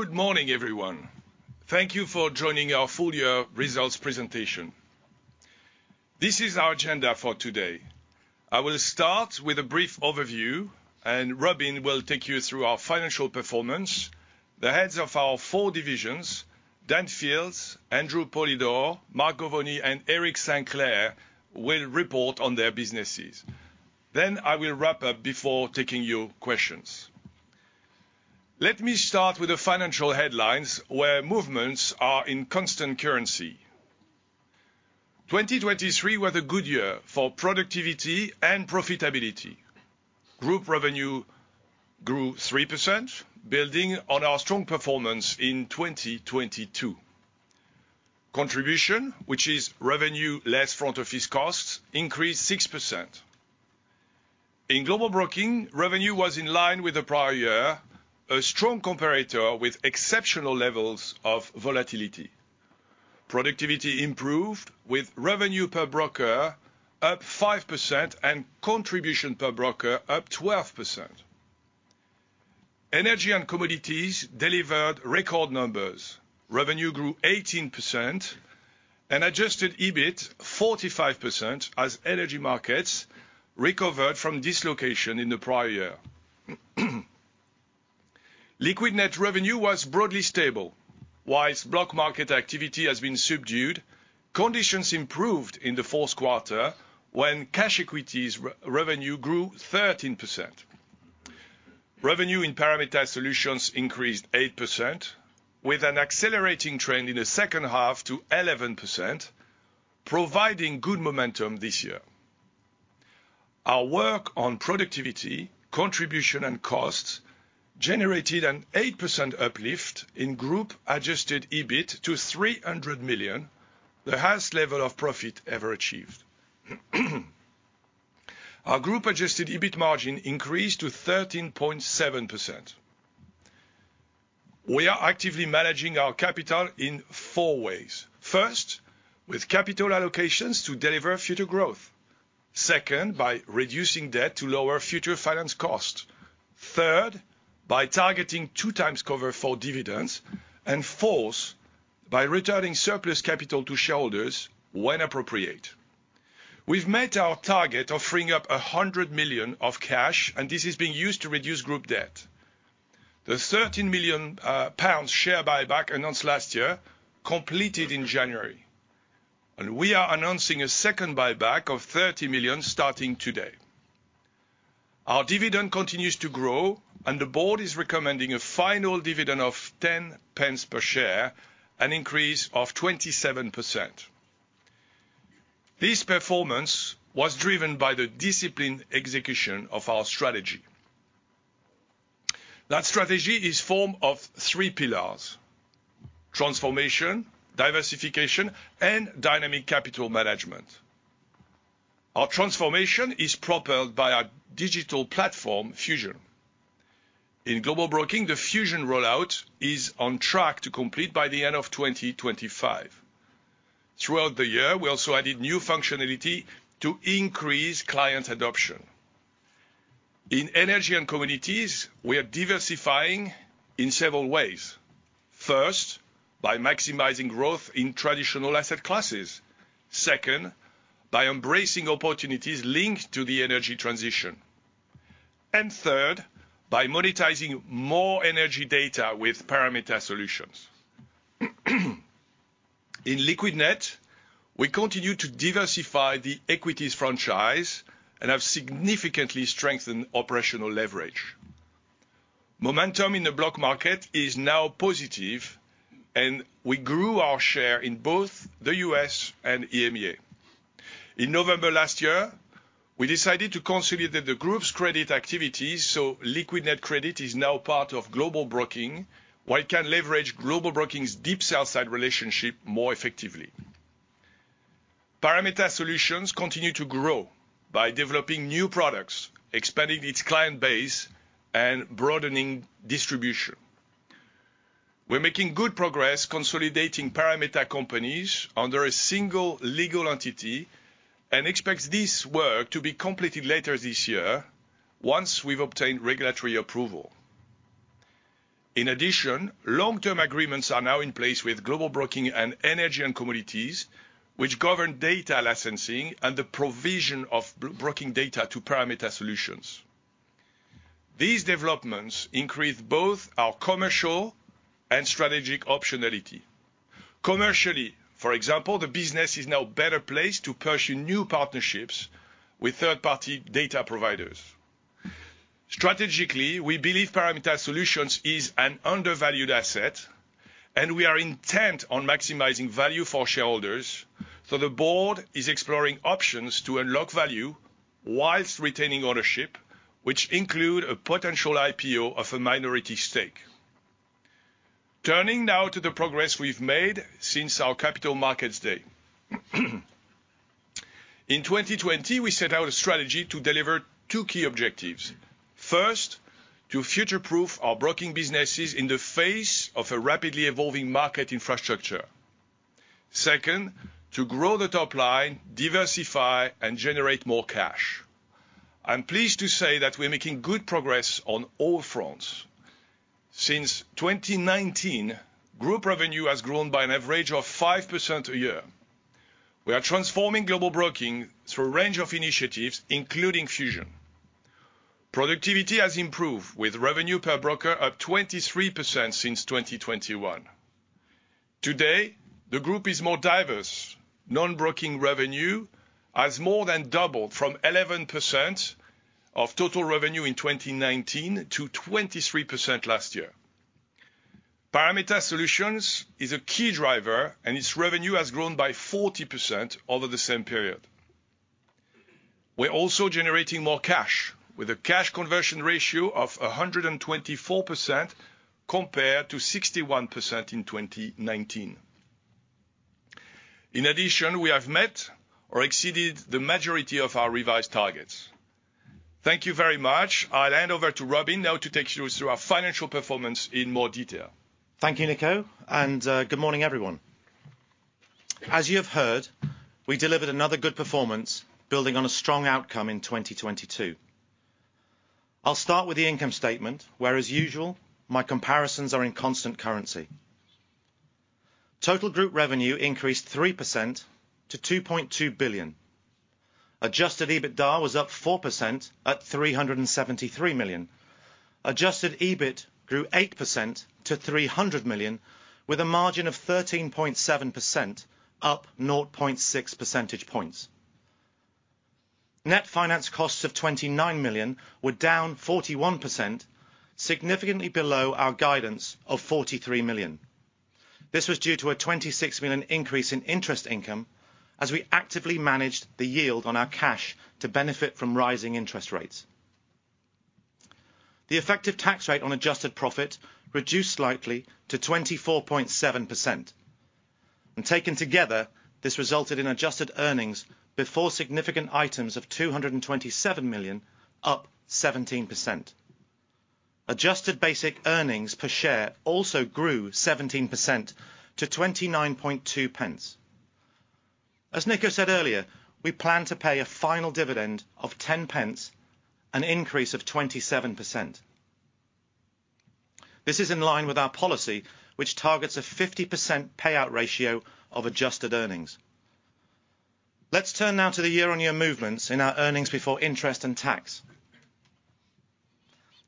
Good morning, everyone. Thank you for joining our full-year results presentation. This is our agenda for today. I will start with a brief overview, and Robin will take you through our financial performance. The heads of our four divisions, Dan Fields, Andrew Polydor, Mark Govoni, and Eric Sinclair, will report on their businesses. Then I will wrap up before taking your questions. Let me start with the financial headlines, where movements are in constant currency. 2023 was a good year for productivity and profitability. Group revenue grew 3%, building on our strong performance in 2022. Contribution, which is revenue less front-office costs, increased 6%. In Global Broking, revenue was in line with the prior year, a strong comparator with exceptional levels of volatility. Productivity improved, with revenue per broker up 5% and contribution per broker up 12%. Energy and Commodities delivered record numbers: revenue grew 18% and adjusted EBIT 45% as energy markets recovered from dislocation in the prior year. Liquidnet revenue was broadly stable. While block market activity has been subdued, conditions improved in the fourth quarter when cash equities revenue grew 13%. Revenue in Parameta Solutions increased 8%, with an accelerating trend in the second half to 11%, providing good momentum this year. Our work on productivity, contribution, and costs generated an 8% uplift in group adjusted EBIT to 300 million, the highest level of profit ever achieved. Our group adjusted EBIT margin increased to 13.7%. We are actively managing our capital in four ways. First, with capital allocations to deliver future growth. Second, by reducing debt to lower future finance costs. Third, by targeting 2x cover for dividends. And fourth, by returning surplus capital to shareholders when appropriate. We've met our target of freeing up 100 million of cash, and this is being used to reduce group debt. The 13 million pounds share buyback announced last year completed in January. We are announcing a second buyback of 30 million starting today. Our dividend continues to grow, and the board is recommending a final dividend of 0.10 per share, an increase of 27%. This performance was driven by the disciplined execution of our strategy. That strategy is formed of three pillars: transformation, diversification, and dynamic capital management. Our transformation is propelled by our digital platform, Fusion. In Global Broking, the Fusion rollout is on track to complete by the end of 2025. Throughout the year, we also added new functionality to increase client adoption. In Energy & Commodities, we are diversifying in several ways. First, by maximizing growth in traditional asset classes. Second, by embracing opportunities linked to the energy transition. And third, by monetizing more energy data with Parameta Solutions. In Liquidnet, we continue to diversify the equities franchise and have significantly strengthened operational leverage. Momentum in the block market is now positive, and we grew our share in both the U.S. and EMEA. In November last year, we decided to consolidate the group's credit activities, so Liquidnet Credit is now part of Global Broking while it can leverage Global Broking's deep sell-side relationship more effectively. Parameta Solutions continue to grow by developing new products, expanding its client base, and broadening distribution. We're making good progress consolidating Parameta companies under a single legal entity and expect this work to be completed later this year once we've obtained regulatory approval. In addition, long-term agreements are now in place with Global Broking and Energy & Commodities, which govern data licensing and the provision of broking data to Parameta Solutions. These developments increase both our commercial and strategic optionality. Commercially, for example, the business is now better placed to pursue new partnerships with third-party data providers. Strategically, we believe Parameta Solutions is an undervalued asset, and we are intent on maximizing value for shareholders, so the board is exploring options to unlock value while retaining ownership, which include a potential IPO of a minority stake. Turning now to the progress we've made since our Capital Markets Day. In 2020, we set out a strategy to deliver two key objectives. First, to future-proof our broking businesses in the face of a rapidly evolving market infrastructure. Second, to grow the top line, diversify, and generate more cash. I'm pleased to say that we're making good progress on all fronts. Since 2019, group revenue has grown by an average of 5% a year. We are transforming Global Broking through a range of initiatives, including Fusion. Productivity has improved, with revenue per broker up 23% since 2021. Today, the group is more diverse. Non-broking revenue has more than doubled from 11% of total revenue in 2019 to 23% last year. Parameta Solutions is a key driver, and its revenue has grown by 40% over the same period. We're also generating more cash, with a cash conversion ratio of 124% compared to 61% in 2019. In addition, we have met or exceeded the majority of our revised targets. Thank you very much. I'll hand over to Robin now to take you through our financial performance in more detail. Thank you, Nico, and good morning, everyone. As you have heard, we delivered another good performance, building on a strong outcome in 2022. I'll start with the income statement, where, as usual, my comparisons are in constant currency. Total group revenue increased 3% to 2.2 billion. Adjusted EBITDA was up 4% at 373 million. Adjusted EBIT grew 8% to 300 million, with a margin of 13.7%, up 0.6 percentage points. Net finance costs of 29 million were down 41%, significantly below our guidance of 43 million. This was due to a 26 million increase in interest income as we actively managed the yield on our cash to benefit from rising interest rates. The effective tax rate on adjusted profit reduced slightly to 24.7%. Taken together, this resulted in adjusted earnings before significant items of 227 million, up 17%. Adjusted basic earnings per share also grew 17% to 29.2 pence. As Nico said earlier, we plan to pay a final dividend of 0.10, an increase of 27%. This is in line with our policy, which targets a 50% payout ratio of adjusted earnings. Let's turn now to the year-on-year movements in our earnings before interest and tax.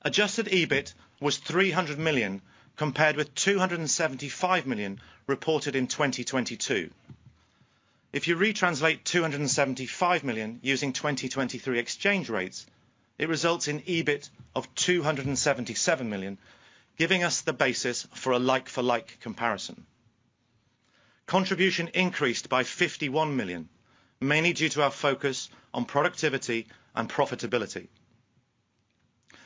Adjusted EBIT was 300 million compared with 275 million reported in 2022. If you retranslate 275 million using 2023 exchange rates, it results in EBIT of 277 million, giving us the basis for a like-for-like comparison. Contribution increased by 51 million, mainly due to our focus on productivity and profitability.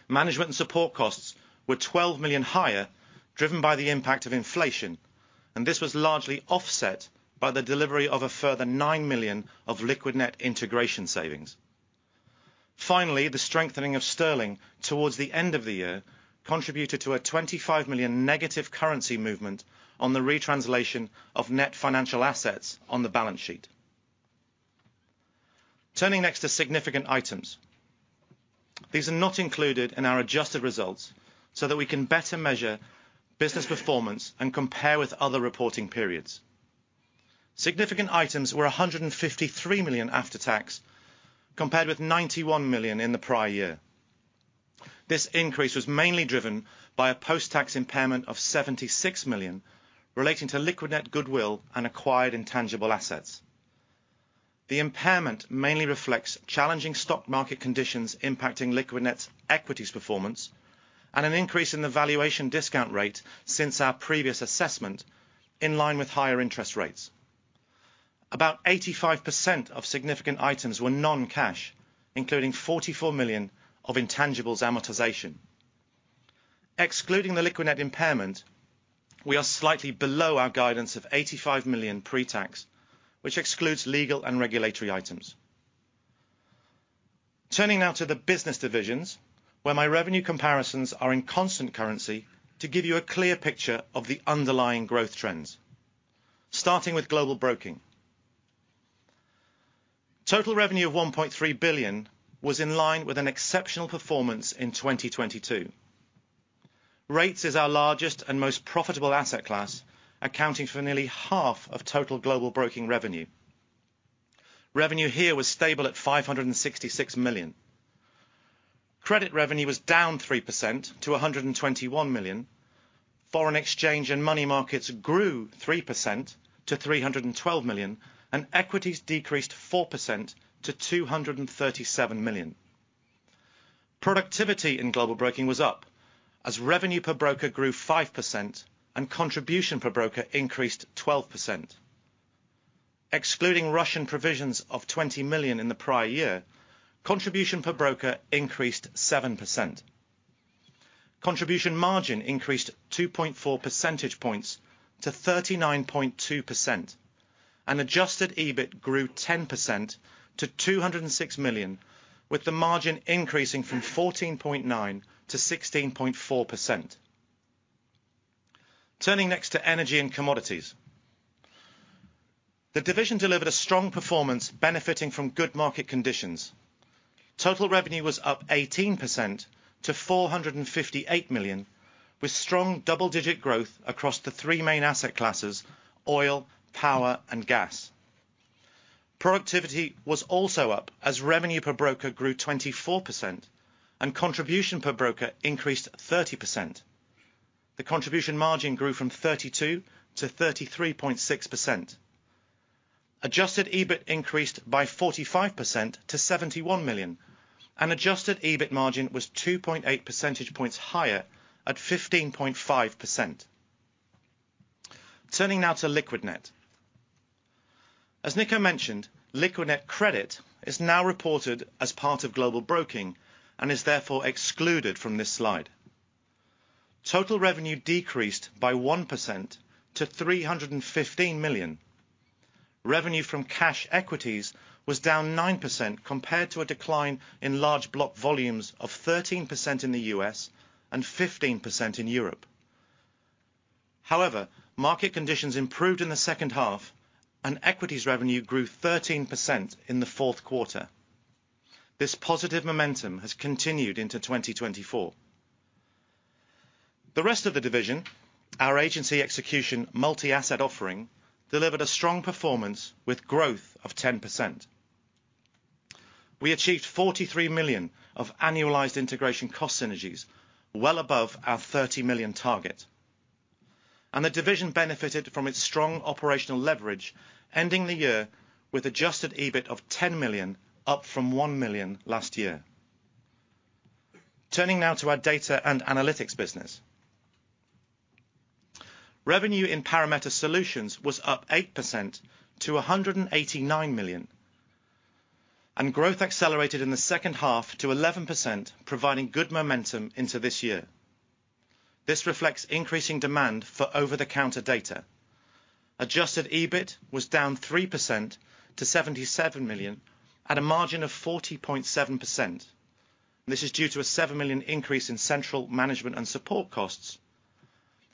Management and support costs were 12 million higher, driven by the impact of inflation, and this was largely offset by the delivery of a further 9 million of Liquidnet integration savings. Finally, the strengthening of sterling towards the end of the year contributed to a 25 million negative currency movement on the retranslation of net financial assets on the balance sheet. Turning next to significant items. These are not included in our adjusted results so that we can better measure business performance and compare with other reporting periods. Significant items were 153 million after tax, compared with 91 million in the prior year. This increase was mainly driven by a post-tax impairment of 76 million relating to Liquidnet goodwill and acquired intangible assets. The impairment mainly reflects challenging stock market conditions impacting Liquidnet's equities performance and an increase in the valuation discount rate since our previous assessment, in line with higher interest rates. About 85% of significant items were non-cash, including 44 million of intangibles amortization. Excluding the Liquidnet impairment, we are slightly below our guidance of 85 million pre-tax, which excludes legal and regulatory items. Turning now to the business divisions, where my revenue comparisons are in constant currency to give you a clear picture of the underlying growth trends. Starting with Global Broking. Total revenue of 1.3 billion was in line with an exceptional performance in 2022. Rates is our largest and most profitable asset class, accounting for nearly half of total Global Broking revenue. Revenue here was stable at 566 million. Credit revenue was down 3% to 121 million. Foreign exchange and money markets grew 3% to 312 million, and equities decreased 4% to 237 million. Productivity in Global Broking was up, as revenue per broker grew 5% and contribution per broker increased 12%. Excluding Russian provisions of 20 million in the prior year, contribution per broker increased 7%. Contribution margin increased 2.4 percentage points to 39.2%, and adjusted EBIT grew 10% to 206 million, with the margin increasing from 14.9% to 16.4%. Turning next to Energy and Commodities. The division delivered a strong performance benefiting from good market conditions. Total revenue was up 18% to 458 million, with strong double-digit growth across the three main asset classes: oil, power, and gas. Productivity was also up, as revenue per broker grew 24% and contribution per broker increased 30%. The contribution margin grew from 32% to 33.6%. Adjusted EBIT increased by 45% to 71 million, and adjusted EBIT margin was 2.8 percentage points higher at 15.5%. Turning now to Liquidnet. As Nico mentioned, Liquidnet Credit is now reported as part of Global Broking and is therefore excluded from this slide. Total revenue decreased by 1% to 315 million. Revenue from cash equities was down 9% compared to a decline in large block volumes of 13% in the US and 15% in Europe. However, market conditions improved in the second half, and equities revenue grew 13% in the fourth quarter. This positive momentum has continued into 2024. The rest of the division, our agency execution multi-asset offering, delivered a strong performance with growth of 10%. We achieved 43 million of annualized integration cost synergies, well above our 30 million target. The division benefited from its strong operational leverage, ending the year with adjusted EBIT of 10 million, up from 1 million last year. Turning now to our data and analytics business. Revenue in Parameta Solutions was up 8% to 189 million, and growth accelerated in the second half to 11%, providing good momentum into this year. This reflects increasing demand for over-the-counter data. Adjusted EBIT was down 3% to 77 million at a margin of 40.7%. This is due to a 7 million increase in central management and support costs,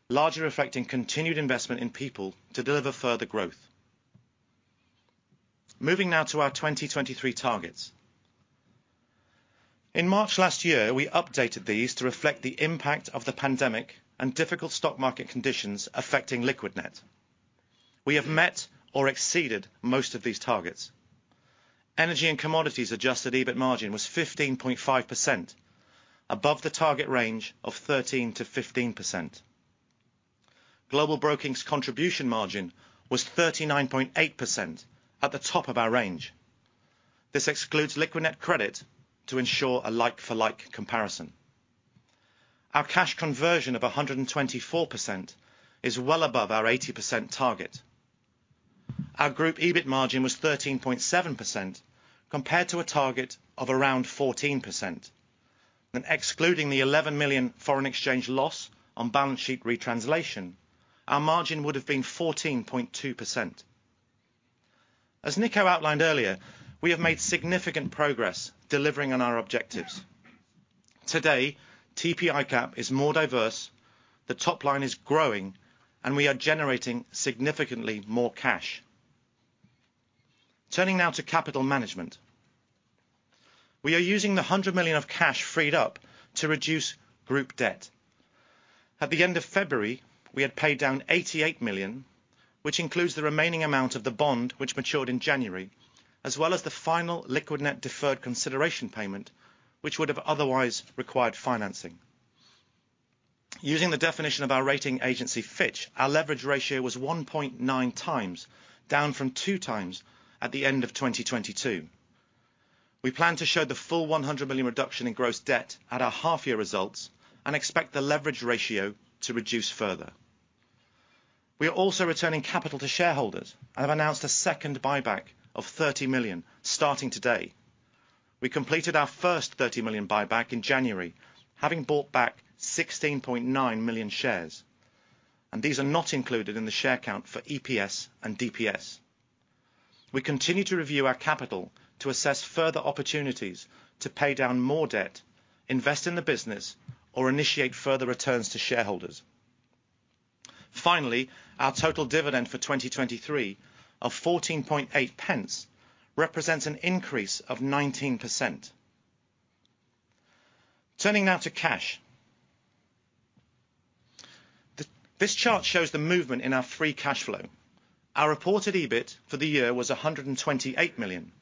largely reflecting continued investment in people to deliver further growth. Moving now to our 2023 targets. In March last year, we updated these to reflect the impact of the pandemic and difficult stock market conditions affecting Liquidnet. We have met or exceeded most of these targets. Energy and Commodities adjusted EBIT margin was 15.5%, above the target range of 13%-15%. Global Broking's contribution margin was 39.8%, at the top of our range. This excludes Liquidnet Credit to ensure a like-for-like comparison. Our cash conversion of 124% is well above our 80% target. Our group EBIT margin was 13.7%, compared to a target of around 14%. Excluding the 11 million foreign exchange loss on balance sheet retranslation, our margin would have been 14.2%. As Nico outlined earlier, we have made significant progress delivering on our objectives. Today, TP ICAP is more diverse. The top line is growing, and we are generating significantly more cash. Turning now to capital management. We are using the 100 million of cash freed up to reduce group debt. At the end of February, we had paid down 88 million, which includes the remaining amount of the bond which matured in January, as well as the final Liquidnet deferred consideration payment, which would have otherwise required financing. Using the definition of our rating agency, Fitch, our leverage ratio was 1.9 times, down from 2 times at the end of 2022. We plan to show the full 100 million reduction in gross debt at our half-year results and expect the leverage ratio to reduce further. We are also returning capital to shareholders and have announced a second buyback of 30 million, starting today. We completed our first 30 million buyback in January, having bought back 16.9 million shares. These are not included in the share count for EPS and DPS. We continue to review our capital to assess further opportunities to pay down more debt, invest in the business, or initiate further returns to shareholders. Finally, our total dividend for 2023 of 0.148 represents an increase of 19%. Turning now to cash. This chart shows the movement in our free cash flow. Our reported EBIT for the year was 128 million.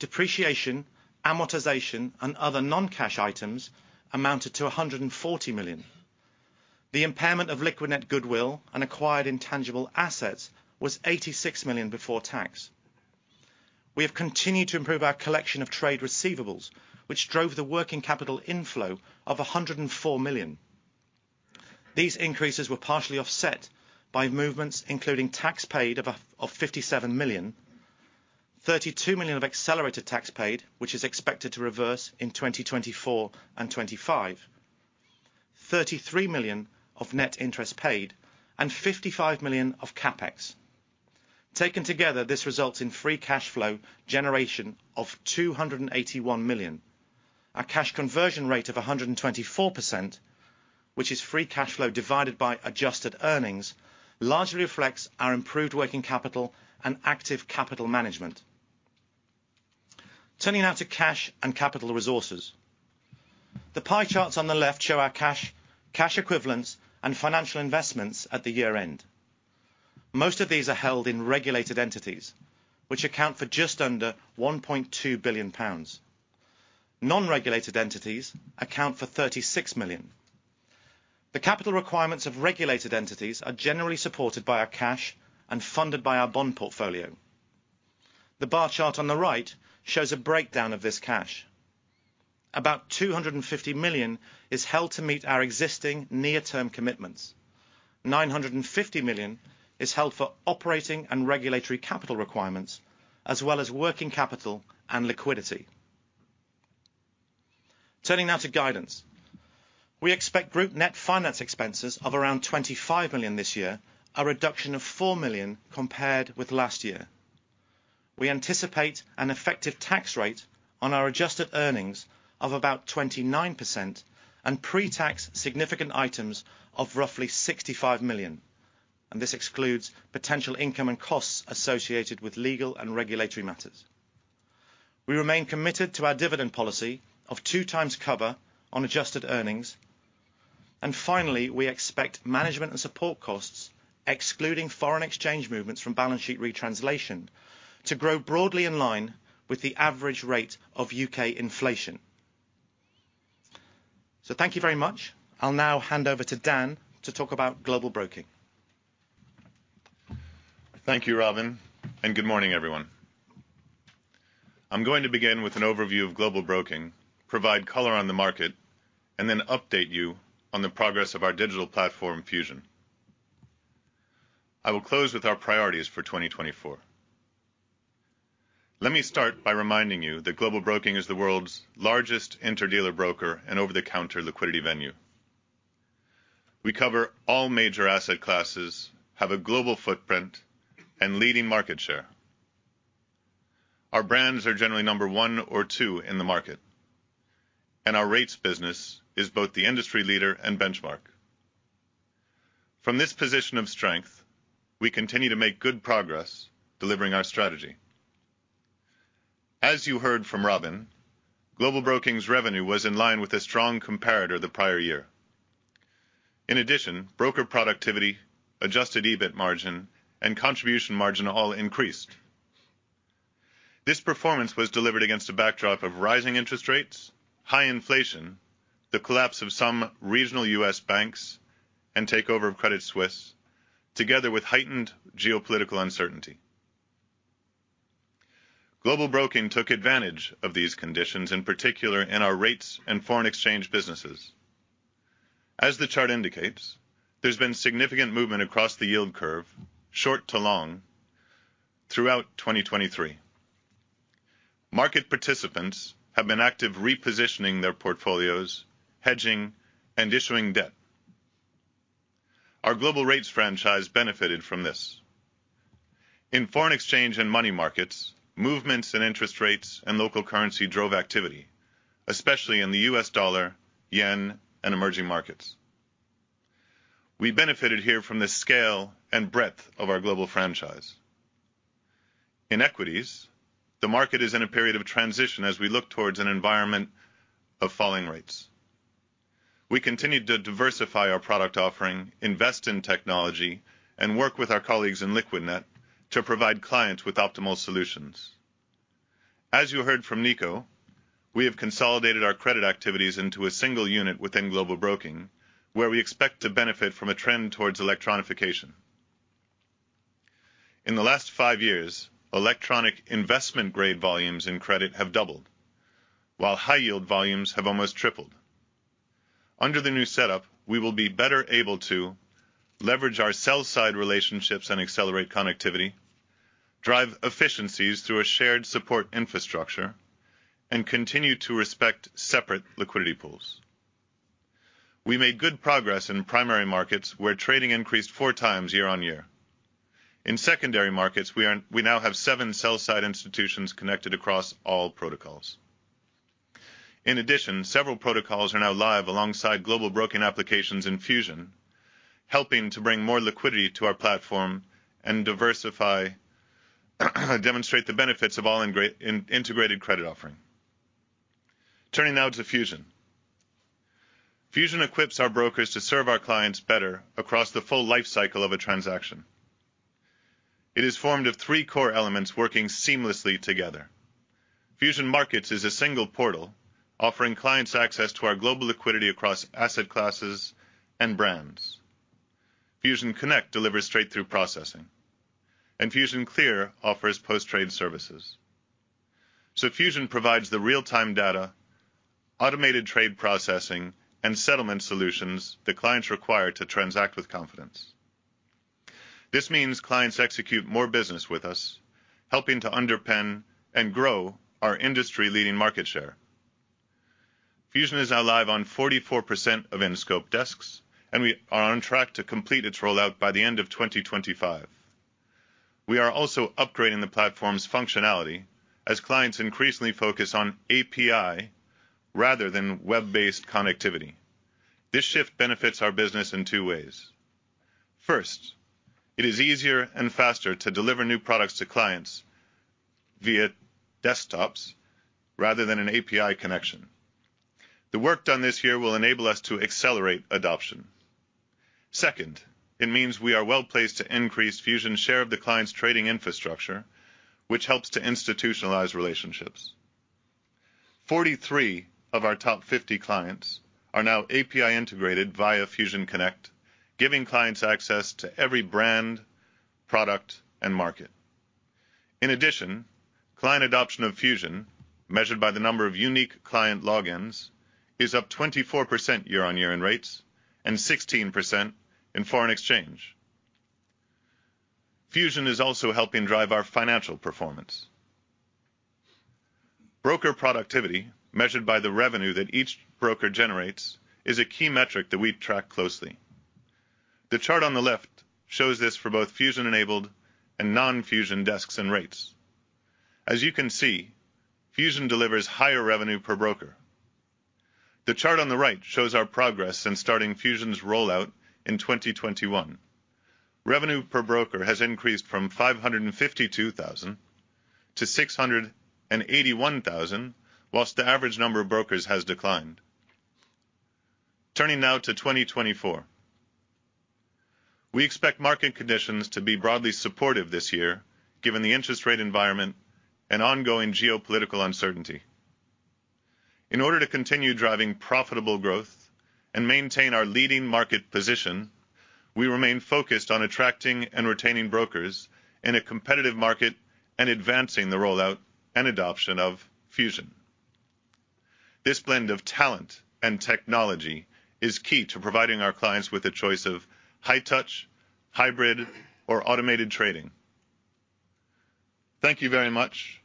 Depreciation, amortization, and other non-cash items amounted to 140 million. The impairment of Liquidnet goodwill and acquired intangible assets was 86 million before tax. We have continued to improve our collection of trade receivables, which drove the working capital inflow of 104 million. These increases were partially offset by movements including tax paid of 57 million, 32 million of accelerated tax paid, which is expected to reverse in 2024 and 2025, 33 million of net interest paid, and 55 million of CapEx. Taken together, this results in free cash flow generation of 281 million. Our cash conversion rate of 124%, which is free cash flow divided by adjusted earnings, largely reflects our improved working capital and active capital management. Turning now to cash and capital resources. The pie charts on the left show our cash, cash equivalents, and financial investments at the year-end. Most of these are held in regulated entities, which account for just under 1.2 billion pounds. Non-regulated entities account for 36 million. The capital requirements of regulated entities are generally supported by our cash and funded by our bond portfolio. The bar chart on the right shows a breakdown of this cash. About 250 million is held to meet our existing near-term commitments. 950 million is held for operating and regulatory capital requirements, as well as working capital and liquidity. Turning now to guidance. We expect group net finance expenses of around 25 million this year, a reduction of 4 million compared with last year. We anticipate an effective tax rate on our adjusted earnings of about 29% and pre-tax significant items of roughly 65 million. This excludes potential income and costs associated with legal and regulatory matters. We remain committed to our dividend policy of 2x cover on adjusted earnings. And finally, we expect management and support costs, excluding foreign exchange movements from balance sheet retranslation, to grow broadly in line with the average rate of U.K. inflation. So thank you very much. I'll now hand over to Dan to talk about Global Broking. Thank you, Robin, and good morning, everyone. I'm going to begin with an overview of Global Broking, provide color on the market, and then update you on the progress of our digital platform Fusion. I will close with our priorities for 2024. Let me start by reminding you that Global Broking is the world's largest interdealer broker and over-the-counter liquidity venue. We cover all major asset classes, have a global footprint, and leading market share. Our brands are generally number one or two in the market, and our rates business is both the industry leader and benchmark. From this position of strength, we continue to make good progress delivering our strategy. As you heard from Robin, Global Broking's revenue was in line with a strong comparator the prior year. In addition, broker productivity, Adjusted EBIT margin, and contribution margin all increased. This performance was delivered against a backdrop of rising interest rates, high inflation, the collapse of some regional U.S. banks, and takeover of Credit Suisse, together with heightened geopolitical uncertainty. Global Broking took advantage of these conditions, in particular in our rates and foreign exchange businesses. As the chart indicates, there's been significant movement across the yield curve, short to long, throughout 2023. Market participants have been active repositioning their portfolios, hedging, and issuing debt. Our global rates franchise benefited from this. In foreign exchange and money markets, movements in interest rates and local currency drove activity, especially in the U.S. dollar, yen, and emerging markets. We benefited here from the scale and breadth of our global franchise. In equities, the market is in a period of transition as we look towards an environment of falling rates. We continue to diversify our product offering, invest in technology, and work with our colleagues in Liquidnet to provide clients with optimal solutions. As you heard from Nico, we have consolidated our credit activities into a single unit within Global Broking, where we expect to benefit from a trend towards electronification. In the last five years, electronic investment-grade volumes in credit have doubled, while high-yield volumes have almost tripled. Under the new setup, we will be better able to leverage our sell-side relationships and accelerate connectivity, drive efficiencies through a shared support infrastructure, and continue to respect separate liquidity pools. We made good progress in primary markets, where trading increased four times year-on-year. In secondary markets, we now have seven sell-side institutions connected across all protocols. In addition, several protocols are now live alongside Global Broking applications in Fusion, helping to bring more liquidity to our platform and demonstrate the benefits of all-integrated credit offering. Turning now to Fusion. Fusion equips our brokers to serve our clients better across the full lifecycle of a transaction. It is formed of three core elements working seamlessly together. Fusion Markets is a single portal offering clients access to our global liquidity across asset classes and brands. Fusion Connect delivers straight-through processing, and Fusion Clear offers post-trade services. So Fusion provides the real-time data, automated trade processing, and settlement solutions that clients require to transact with confidence. This means clients execute more business with us, helping to underpin and grow our industry-leading market share. Fusion is now live on 44% of in-scope desks, and we are on track to complete its rollout by the end of 2025. We are also upgrading the platform's functionality as clients increasingly focus on API rather than web-based connectivity. This shift benefits our business in two ways. First, it is easier and faster to deliver new products to clients via desktops rather than an API connection. The work done this year will enable us to accelerate adoption. Second, it means we are well placed to increase Fusion's share of the client's trading infrastructure, which helps to institutionalize relationships. 43 of our top 50 clients are now API-integrated via Fusion Connect, giving clients access to every brand, product, and market. In addition, client adoption of Fusion, measured by the number of unique client logins, is up 24% year-on-year in rates and 16% in foreign exchange. Fusion is also helping drive our financial performance. Broker productivity, measured by the revenue that each broker generates, is a key metric that we track closely. The chart on the left shows this for both Fusion-enabled and non-Fusion desks and rates. As you can see, Fusion delivers higher revenue per broker. The chart on the right shows our progress in starting Fusion's rollout in 2021. Revenue per broker has increased from 552,000 to 681,000, while the average number of brokers has declined. Turning now to 2024. We expect market conditions to be broadly supportive this year, given the interest rate environment and ongoing geopolitical uncertainty. In order to continue driving profitable growth and maintain our leading market position, we remain focused on attracting and retaining brokers in a competitive market and advancing the rollout and adoption of Fusion. This blend of talent and technology is key to providing our clients with a choice of high-touch, hybrid, or automated trading. Thank you very much.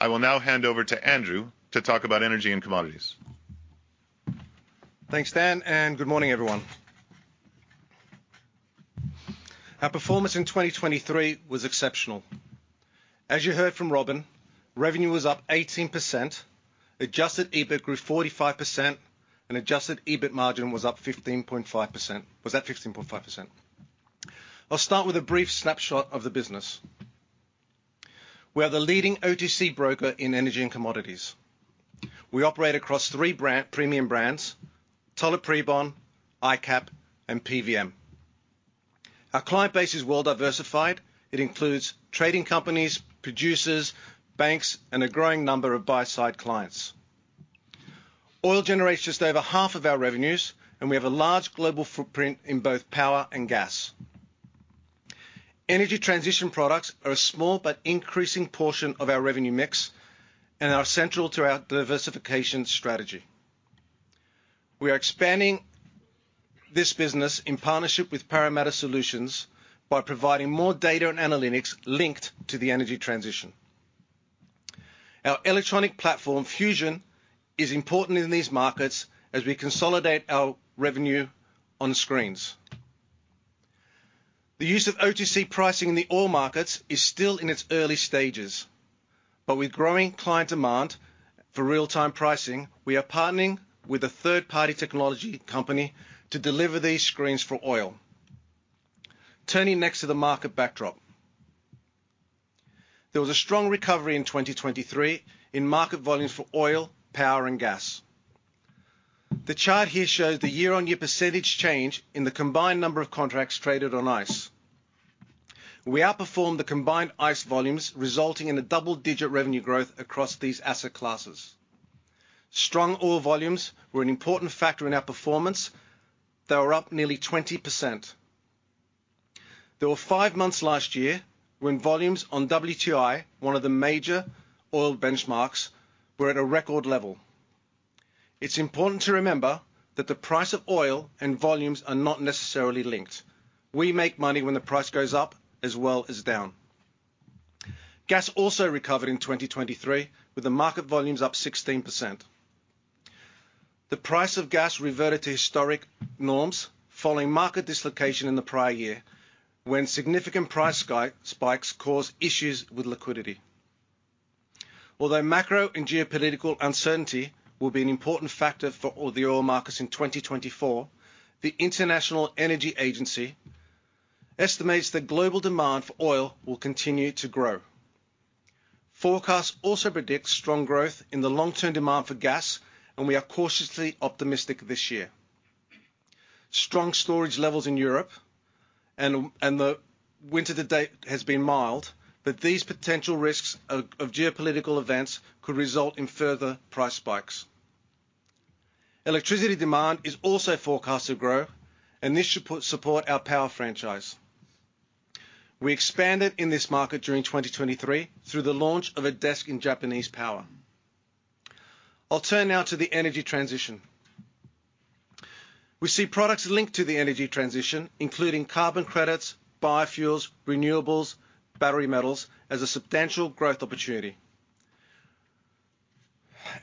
I will now hand over to Andrew to talk about energy and commodities. Thanks, Dan, and good morning, everyone. Our performance in 2023 was exceptional. As you heard from Robin, revenue was up 18%, adjusted EBIT grew 45%, and adjusted EBIT margin was up 15.5%. Was that 15.5%? I'll start with a brief snapshot of the business. We are the leading OTC broker in energy and commodities. We operate across three premium brands: Tullett Prebon, ICAP, and PVM. Our client base is well diversified. It includes trading companies, producers, banks, and a growing number of buy-side clients. Oil generates just over half of our revenues, and we have a large global footprint in both power and gas. Energy transition products are a small but increasing portion of our revenue mix and are central to our diversification strategy. We are expanding this business in partnership with Parameta Solutions by providing more data and analytics linked to the energy transition. Our electronic platform, Fusion, is important in these markets as we consolidate our revenue on screens. The use of OTC pricing in the oil markets is still in its early stages, but with growing client demand for real-time pricing, we are partnering with a third-party technology company to deliver these screens for oil. Turning next to the market backdrop. There was a strong recovery in 2023 in market volumes for oil, power, and gas. The chart here shows the year-on-year percentage change in the combined number of contracts traded on ICE. We outperformed the combined ICE volumes, resulting in a double-digit revenue growth across these asset classes. Strong oil volumes were an important factor in our performance. They were up nearly 20%. There were five months last year when volumes on WTI, one of the major oil benchmarks, were at a record level. It's important to remember that the price of oil and volumes are not necessarily linked. We make money when the price goes up as well as down. Gas also recovered in 2023, with the market volumes up 16%. The price of gas reverted to historic norms following market dislocation in the prior year, when significant price spikes caused issues with liquidity. Although macro and geopolitical uncertainty will be an important factor for the oil markets in 2024, the International Energy Agency estimates that global demand for oil will continue to grow. Forecasts also predict strong growth in the long-term demand for gas, and we are cautiously optimistic this year. Strong storage levels in Europe and the winter to date has been mild, but these potential risks of geopolitical events could result in further price spikes. Electricity demand is also forecast to grow, and this should support our power franchise. We expanded in this market during 2023 through the launch of a desk in Japanese power. I'll turn now to the energy transition. We see products linked to the energy transition, including carbon credits, biofuels, renewables, and battery metals, as a substantial growth opportunity.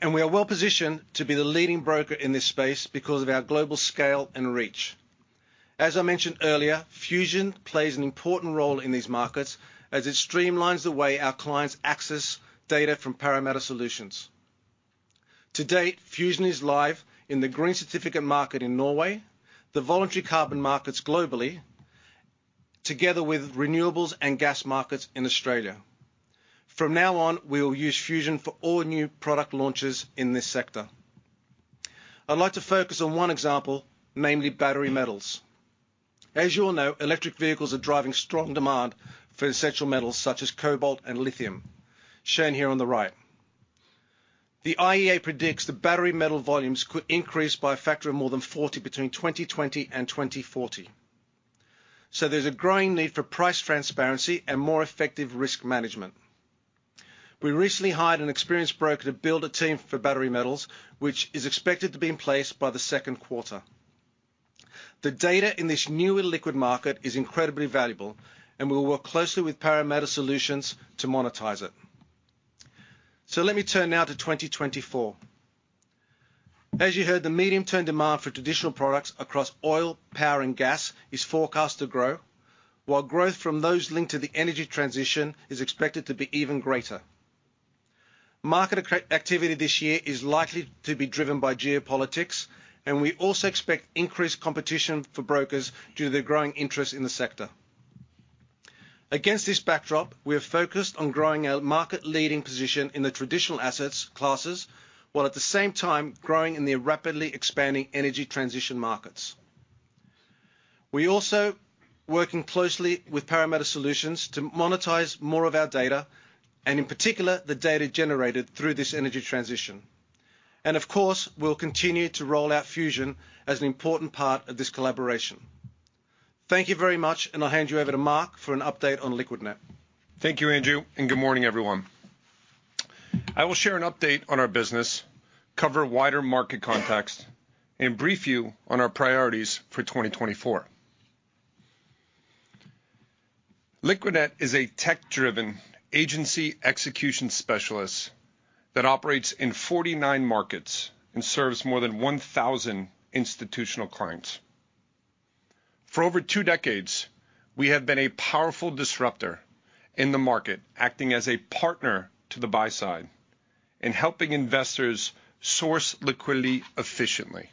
We are well positioned to be the leading broker in this space because of our global scale and reach. As I mentioned earlier, Fusion plays an important role in these markets as it streamlines the way our clients access data from Parameta Solutions. To date, Fusion is live in the green certificate market in Norway, the voluntary carbon markets globally, together with renewables and gas markets in Australia. From now on, we will use Fusion for all new product launches in this sector. I'd like to focus on one example, namely battery metals. As you all know, electric vehicles are driving strong demand for essential metals such as cobalt and lithium, shown here on the right. The IEA predicts that battery metal volumes could increase by a factor of more than 40 between 2020 and 2040. So there's a growing need for price transparency and more effective risk management. We recently hired an experienced broker to build a team for battery metals, which is expected to be in place by the second quarter. The data in this new liquid market is incredibly valuable, and we will work closely with Parameta Solutions to monetize it. So let me turn now to 2024. As you heard, the medium-term demand for traditional products across oil, power, and gas is forecast to grow, while growth from those linked to the energy transition is expected to be even greater. Market activity this year is likely to be driven by geopolitics, and we also expect increased competition for brokers due to the growing interest in the sector. Against this backdrop, we are focused on growing our market-leading position in the traditional asset classes, while at the same time growing in the rapidly expanding energy transition markets. We are also working closely with Parameta Solutions to monetize more of our data and, in particular, the data generated through this energy transition. And, of course, we'll continue to roll out Fusion as an important part of this collaboration. Thank you very much, and I'll hand you over to Mark for an update on Liquidnet. Thank you, Andrew, and good morning, everyone. I will share an update on our business, cover wider market context, and brief you on our priorities for 2024. Liquidnet is a tech-driven agency execution specialist that operates in 49 markets and serves more than 1,000 institutional clients. For over two decades, we have been a powerful disruptor in the market, acting as a partner to the buy-side and helping investors source liquidity efficiently.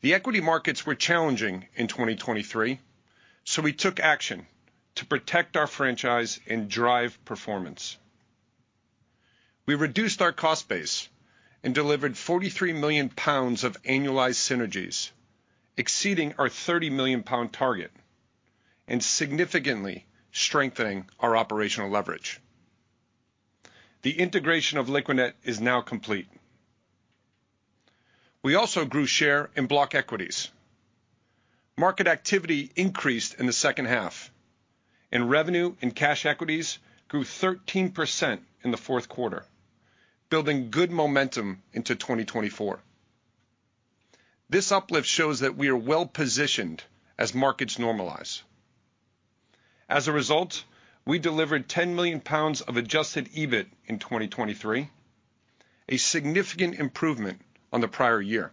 The equity markets were challenging in 2023, so we took action to protect our franchise and drive performance. We reduced our cost base and delivered 43 million pounds of annualized synergies, exceeding our 30 million-pound target and significantly strengthening our operational leverage. The integration of Liquidnet is now complete. We also grew share in block equities. Market activity increased in the second half, and revenue in cash equities grew 13% in the fourth quarter, building good momentum into 2024. This uplift shows that we are well positioned as markets normalize. As a result, we delivered 10 million pounds of adjusted EBIT in 2023, a significant improvement on the prior year.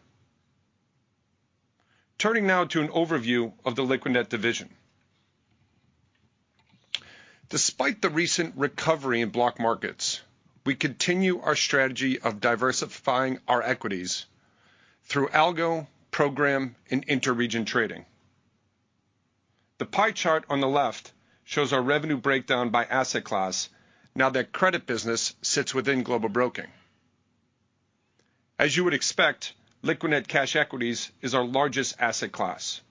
Turning now to an overview of the Liquidnet division. Despite the recent recovery in block markets, we continue our strategy of diversifying our equities through algo, program, and interregion trading. The pie chart on the left shows our revenue breakdown by asset class now that credit business sits within Global Broking. As you would expect, Liquidnet cash equities is our largest asset class.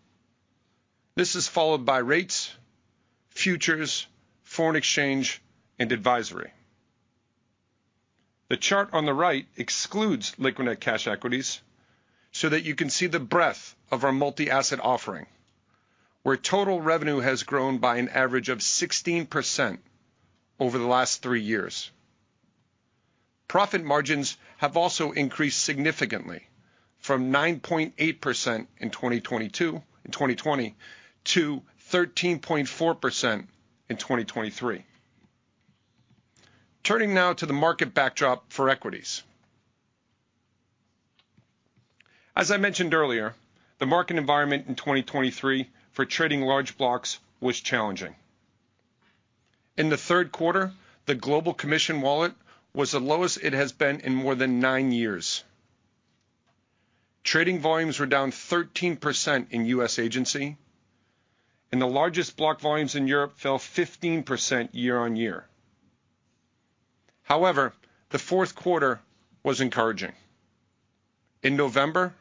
This is followed by rates, futures, foreign exchange, and advisory. The chart on the right excludes Liquidnet cash equities so that you can see the breadth of our multi-asset offering, where total revenue has grown by an average of 16% over the last three years. Profit margins have also increased significantly from 9.8% in 2020 to 13.4% in 2023. Turning now to the market backdrop for equities. As I mentioned earlier, the market environment in 2023 for trading large blocks was challenging. In the third quarter, the global commission wallet was the lowest it has been in more than nine years. Trading volumes were down 13% in U.S. agency, and the largest block volumes in Europe fell 15% year-on-year. However, the fourth quarter was encouraging. In November,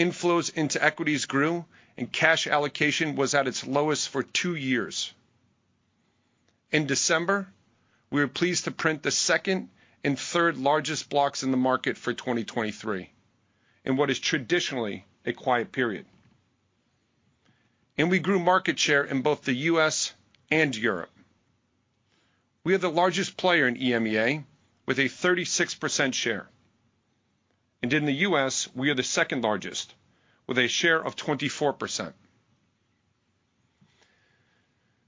inflows into equities grew, and cash allocation was at its lowest for two years. In December, we were pleased to print the second and third largest blocks in the market for 2023 in what is traditionally a quiet period. We grew market share in both the U.S. and Europe. We are the largest player in EMEA with a 36% share. In the U.S., we are the second largest with a share of 24%.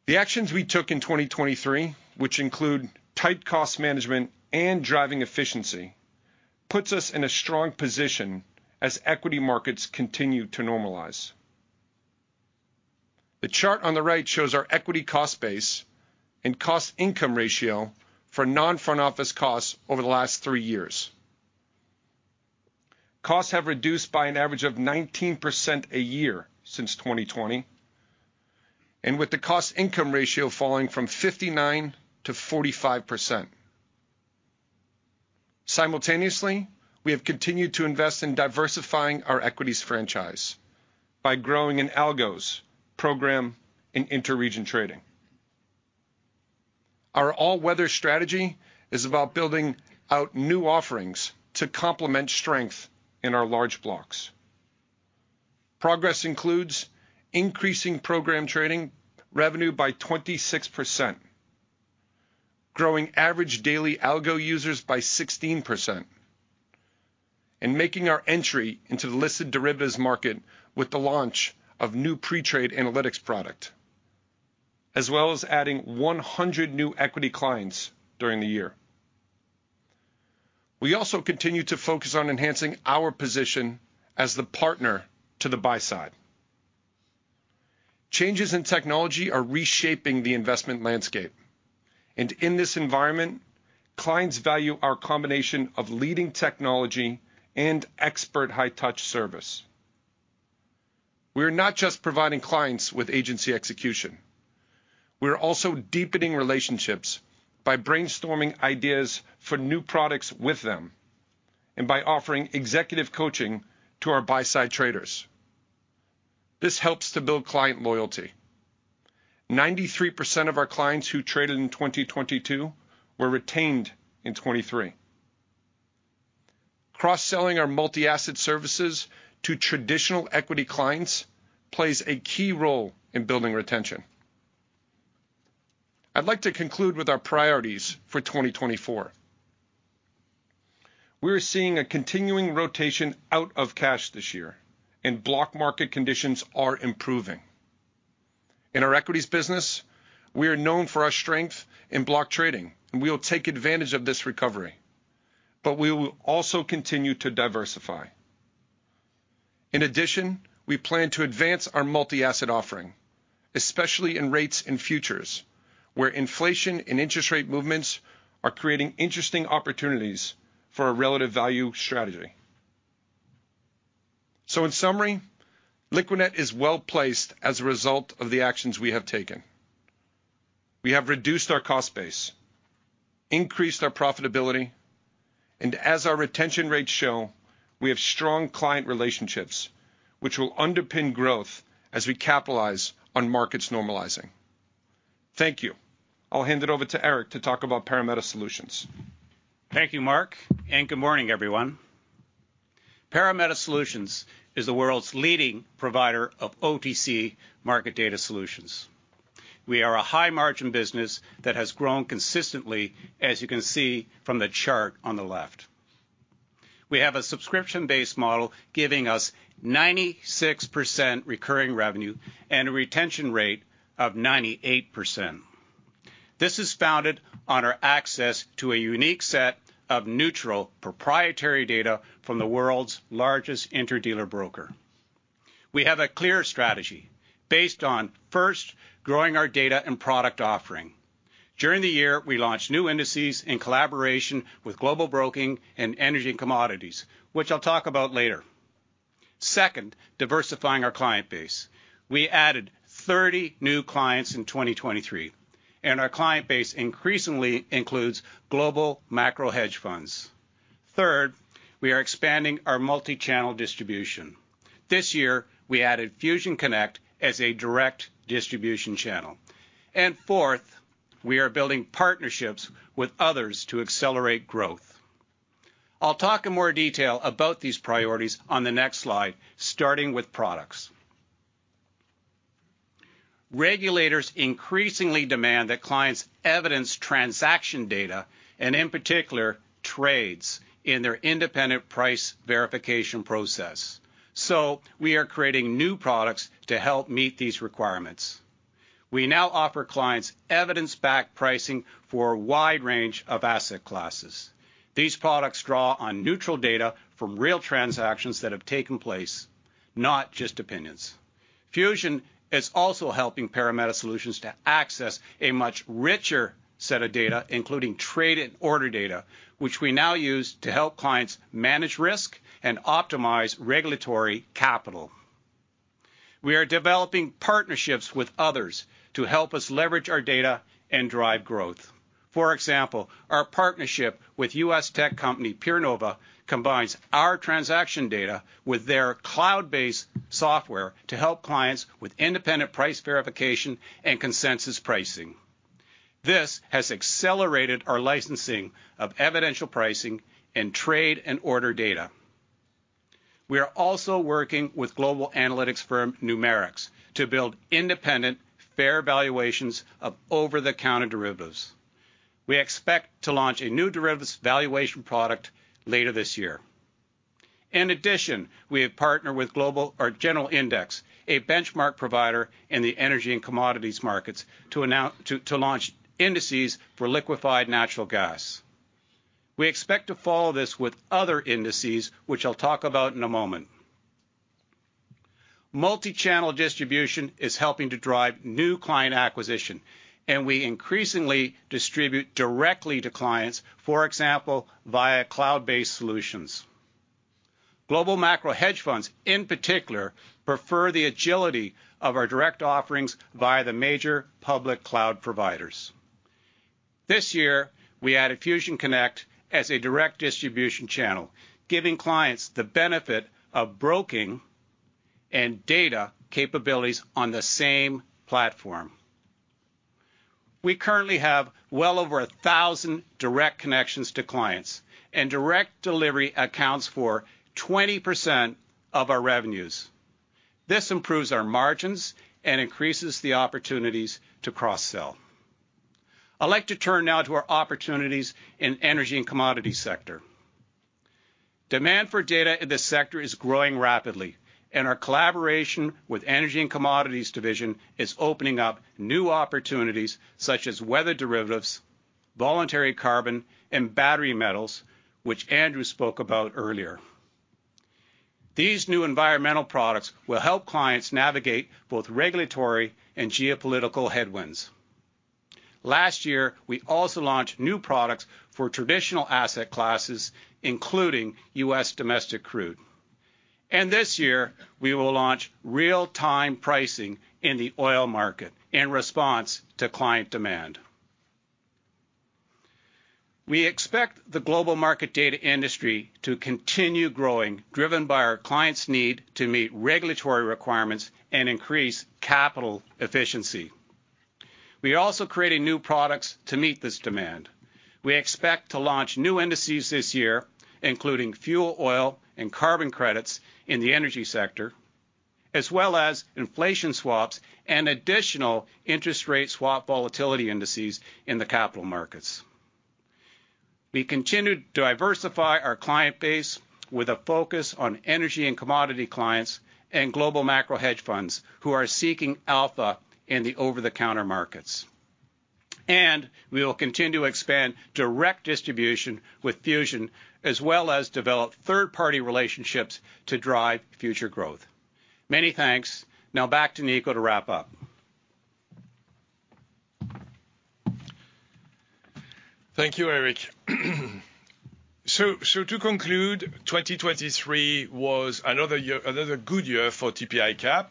The actions we took in 2023, which include tight cost management and driving efficiency, put us in a strong position as equity markets continue to normalize. The chart on the right shows our equity cost base and cost-income ratio for non-front-office costs over the last three years. Costs have reduced by an average of 19% a year since 2020, and with the cost-income ratio falling from 59% to 45%. Simultaneously, we have continued to invest in diversifying our equities franchise by growing in algos, program, and interregion trading. Our all-weather strategy is about building out new offerings to complement strength in our large blocks. Progress includes increasing program trading revenue by 26%, growing average daily algo users by 16%, and making our entry into the listed derivatives market with the launch of new pre-trade analytics product, as well as adding 100 new equity clients during the year. We also continue to focus on enhancing our position as the partner to the buy-side. Changes in technology are reshaping the investment landscape, and in this environment, clients value our combination of leading technology and expert high-touch service. We are not just providing clients with agency execution. We are also deepening relationships by brainstorming ideas for new products with them and by offering executive coaching to our buy-side traders. This helps to build client loyalty. 93% of our clients who traded in 2022 were retained in 2023. Cross-selling our multi-asset services to traditional equity clients plays a key role in building retention. I'd like to conclude with our priorities for 2024. We are seeing a continuing rotation out of cash this year, and block market conditions are improving. In our equities business, we are known for our strength in block trading, and we will take advantage of this recovery, but we will also continue to diversify. In addition, we plan to advance our multi-asset offering, especially in rates and futures, where inflation and interest rate movements are creating interesting opportunities for a relative value strategy. So, in summary, Liquidnet is well placed as a result of the actions we have taken. We have reduced our cost base, increased our profitability, and as our retention rates show, we have strong client relationships, which will underpin growth as we capitalize on markets normalizing. Thank you. I'll hand it over to Eric to talk about Parameta Solutions. Thank you, Mark, and good morning, everyone. Parameta Solutions is the world's leading provider of OTC market data solutions. We are a high-margin business that has grown consistently, as you can see from the chart on the left. We have a subscription-based model giving us 96% recurring revenue and a retention rate of 98%. This is founded on our access to a unique set of neutral proprietary data from the world's largest interdealer broker. We have a clear strategy based on, first, growing our data and product offering. During the year, we launched new indices in collaboration with Global Broking and Energy & Commodities, which I'll talk about later. Second, diversifying our client base. We added 30 new clients in 2023, and our client base increasingly includes global macro hedge funds. Third, we are expanding our multi-channel distribution. This year, we added Fusion Connect as a direct distribution channel. Fourth, we are building partnerships with others to accelerate growth. I'll talk in more detail about these priorities on the next slide, starting with products. Regulators increasingly demand that clients evidence transaction data and, in particular, trades in their independent price verification process. We are creating new products to help meet these requirements. We now offer clients evidence-backed pricing for a wide range of asset classes. These products draw on neutral data from real transactions that have taken place, not just opinions. Fusion is also helping Parameta Solutions to access a much richer set of data, including trade and order data, which we now use to help clients manage risk and optimize regulatory capital. We are developing partnerships with others to help us leverage our data and drive growth. For example, our partnership with US tech company PeerNova combines our transaction data with their cloud-based software to help clients with independent price verification and consensus pricing. This has accelerated our licensing of evidential pricing and trade and order data. We are also working with global analytics firm Numerix to build independent, fair valuations of over-the-counter derivatives. We expect to launch a new derivatives valuation product later this year. In addition, we have partnered with General Index, a benchmark provider in the energy and commodities markets, to launch indices for liquefied natural gas. We expect to follow this with other indices, which I'll talk about in a moment. Multi-channel distribution is helping to drive new client acquisition, and we increasingly distribute directly to clients, for example, via cloud-based solutions. Global macro hedge funds, in particular, prefer the agility of our direct offerings via the major public cloud providers. This year, we added Fusion Connect as a direct distribution channel, giving clients the benefit of broking and data capabilities on the same platform. We currently have well over 1,000 direct connections to clients, and direct delivery accounts for 20% of our revenues. This improves our margins and increases the opportunities to cross-sell. I'd like to turn now to our opportunities in energy and commodities sector. Demand for data in this sector is growing rapidly, and our collaboration with Energy & Commodities division is opening up new opportunities such as weather derivatives, voluntary carbon, and battery metals, which Andrew spoke about earlier. These new environmental products will help clients navigate both regulatory and geopolitical headwinds. Last year, we also launched new products for traditional asset classes, including U.S. domestic crude. This year, we will launch real-time pricing in the oil market in response to client demand. We expect the global market data industry to continue growing, driven by our clients' need to meet regulatory requirements and increase capital efficiency. We are also creating new products to meet this demand. We expect to launch new indices this year, including fuel oil and carbon credits in the energy sector, as well as inflation swaps and additional interest rate swap volatility indices in the capital markets. We continue to diversify our client base with a focus on energy and commodity clients and global macro hedge funds who are seeking alpha in the over-the-counter markets. We will continue to expand direct distribution with Fusion, as well as develop third-party relationships to drive future growth. Many thanks. Now back to Nico to wrap up. Thank you, Eric. To conclude, 2023 was another good year for TP ICAP.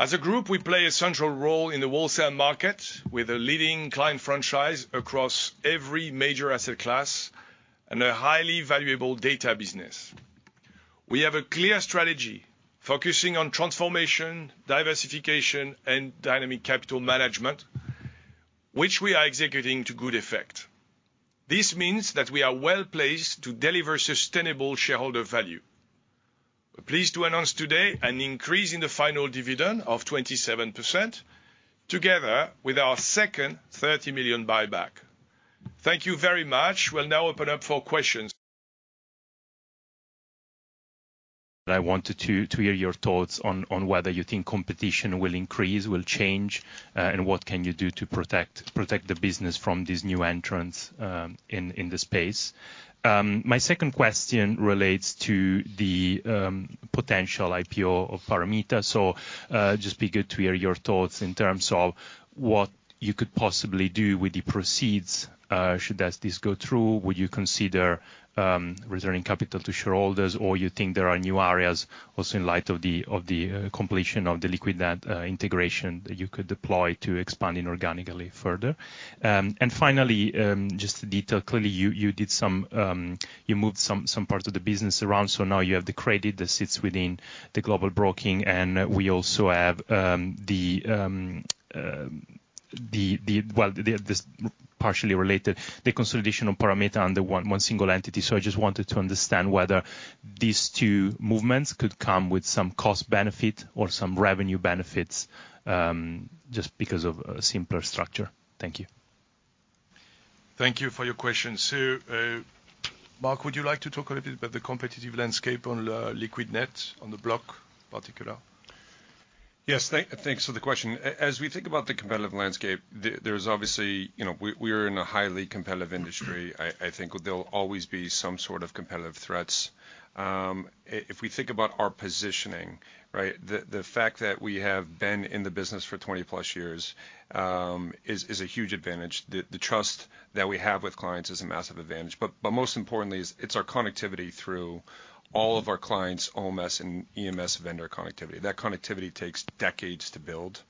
As a group, we play a central role in the wholesale market with a leading client franchise across every major asset class and a highly valuable data business. We have a clear strategy focusing on transformation, diversification, and dynamic capital management, which we are executing to good effect. This means that we are well placed to deliver sustainable shareholder value. We're pleased to announce today an increase in the final dividend of 27% together with our second 30 million buyback. Thank you very much. We'll now open up for questions. I wanted to hear your thoughts on whether you think competition will increase, will change, and what can you do to protect the business from these new entrants in the space. My second question relates to the potential IPO of Parameta. So just be good to hear your thoughts in terms of what you could possibly do with the proceeds. Should this go through, would you consider returning capital to shareholders, or you think there are new areas also in light of the completion of the Liquidnet integration that you could deploy to expanding organically further? And finally, just to detail, clearly you moved some parts of the business around, so now you have the credit that sits within the Global Broking, and we also have, well, this partially related, the consolidation of Parameta under one single entity. I just wanted to understand whether these two movements could come with some cost benefit or some revenue benefits just because of a simpler structure. Thank you. Thank you for your question. So, Mark, would you like to talk a little bit about the competitive landscape on Liquidnet, on the block particularly? Yes. Thanks for the question. As we think about the competitive landscape, there is obviously we are in a highly competitive industry. I think there'll always be some sort of competitive threats. If we think about our positioning, right, the fact that we have been in the business for 20+ years is a huge advantage. The trust that we have with clients is a massive advantage. But most importantly, it's our connectivity through all of our clients' OMS and EMS vendor connectivity. That connectivity takes decades to build.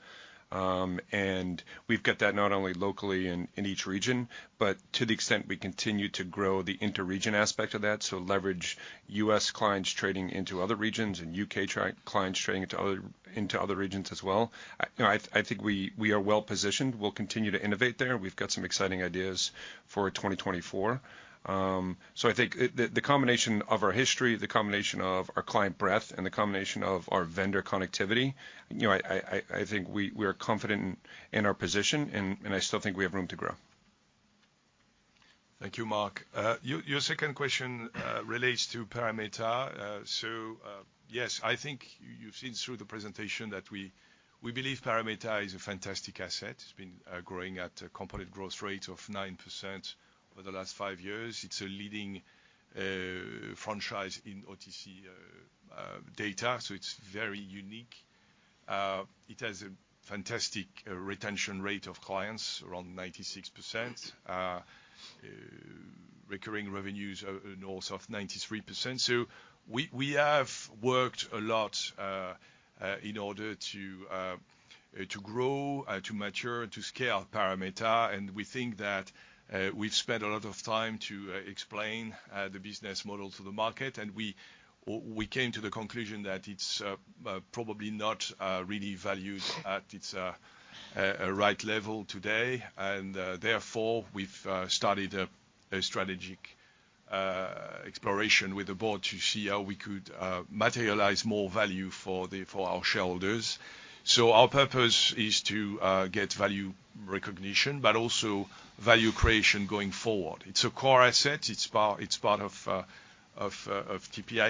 And we've got that not only locally in each region, but to the extent we continue to grow the interregion aspect of that, so leverage US clients trading into other regions and UK clients trading into other regions as well. I think we are well positioned. We'll continue to innovate there. We've got some exciting ideas for 2024. So I think the combination of our history, the combination of our client breadth, and the combination of our vendor connectivity. I think we are confident in our position, and I still think we have room to grow. Thank you, Mark. Your second question relates to Parameta. So, yes, I think you've seen through the presentation that we believe Parameta is a fantastic asset. It's been growing at a compounded growth rate of 9% over the last five years. It's a leading franchise in OTC data, so it's very unique. It has a fantastic retention rate of clients, around 96%, recurring revenues north of 93%. So we have worked a lot in order to grow, to mature, to scale Parameta, and we think that we've spent a lot of time to explain the business model to the market, and we came to the conclusion that it's probably not really valued at its right level today. And therefore, we've started a strategic exploration with the board to see how we could materialize more value for our shareholders. So our purpose is to get value recognition, but also value creation going forward. It's a core asset. It's part of TP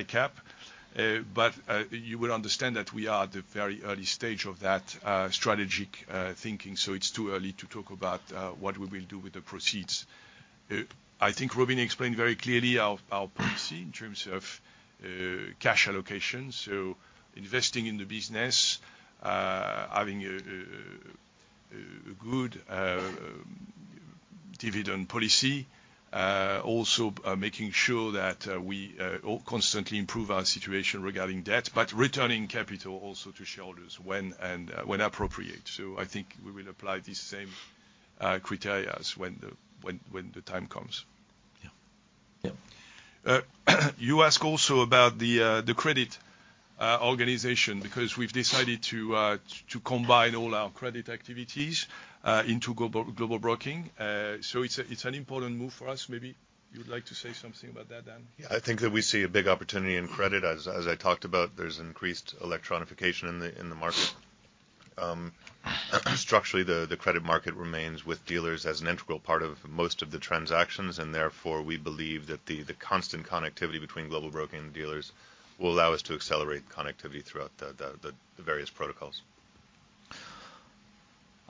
ICAP. But you would understand that we are at the very early stage of that strategic thinking, so it's too early to talk about what we will do with the proceeds. I think Robin explained very clearly our policy in terms of cash allocation. So investing in the business, having a good dividend policy, also making sure that we constantly improve our situation regarding debt, but returning capital also to shareholders when appropriate. So I think we will apply these same criteria when the time comes. Yeah. Yeah. You asked also about the credit organization because we've decided to combine all our credit activities into Global Broking. So it's an important move for us. Maybe you'd like to say something about that, Dan? Yeah. I think that we see a big opportunity in credit. As I talked about, there's increased electronification in the market. Structurally, the credit market remains with dealers as an integral part of most of the transactions, and therefore, we believe that the constant connectivity between Global Broking and dealers will allow us to accelerate connectivity throughout the various protocols.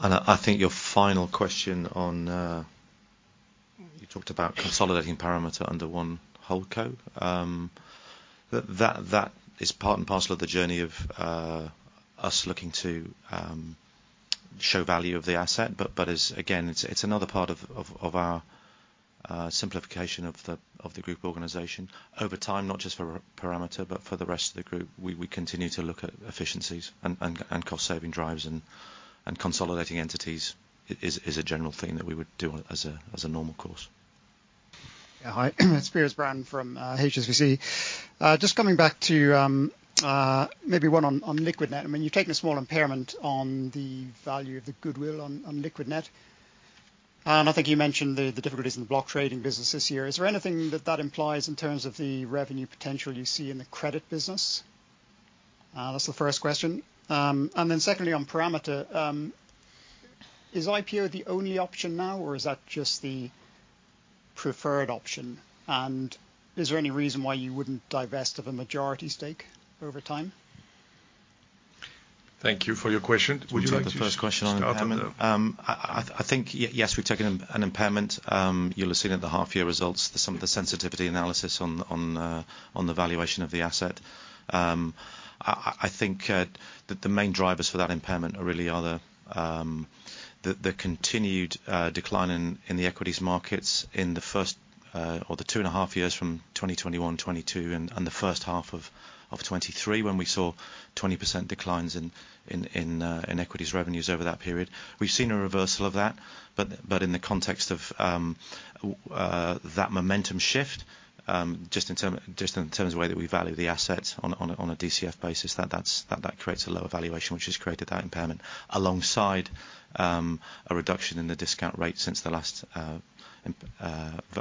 I think your final question on you talked about consolidating Parameta under one HoldCo. That is part and parcel of the journey of us looking to show value of the asset, but again, it's another part of our simplification of the group organization. Over time, not just for Parameta, but for the rest of the group, we continue to look at efficiencies and cost-saving drives, and consolidating entities is a general thing that we would do as a normal course. Yeah. Hi. It's Piers Brown from HSBC. Just coming back to maybe one on Liquidnet. I mean, you've taken a small impairment on the value of the goodwill on Liquidnet. And I think you mentioned the difficulties in the block trading business this year. Is there anything that that implies in terms of the revenue potential you see in the credit business? That's the first question. And then secondly, on Parameta, is IPO the only option now, or is that just the preferred option? And is there any reason why you wouldn't divest of a majority stake over time? Thank you for your question. Would you like to? We took the first question on impairment. I think, yes, we've taken an impairment. You'll have seen it in the half-year results, some of the sensitivity analysis on the valuation of the asset. I think that the main drivers for that impairment are really the continued decline in the equities markets in the first or the two and a half years from 2021, 2022, and the first half of 2023 when we saw 20% declines in equities revenues over that period. We've seen a reversal of that, but in the context of that momentum shift, just in terms of the way that we value the assets on a DCF basis, that creates a lower valuation, which has created that impairment alongside a reduction in the discount rate since the last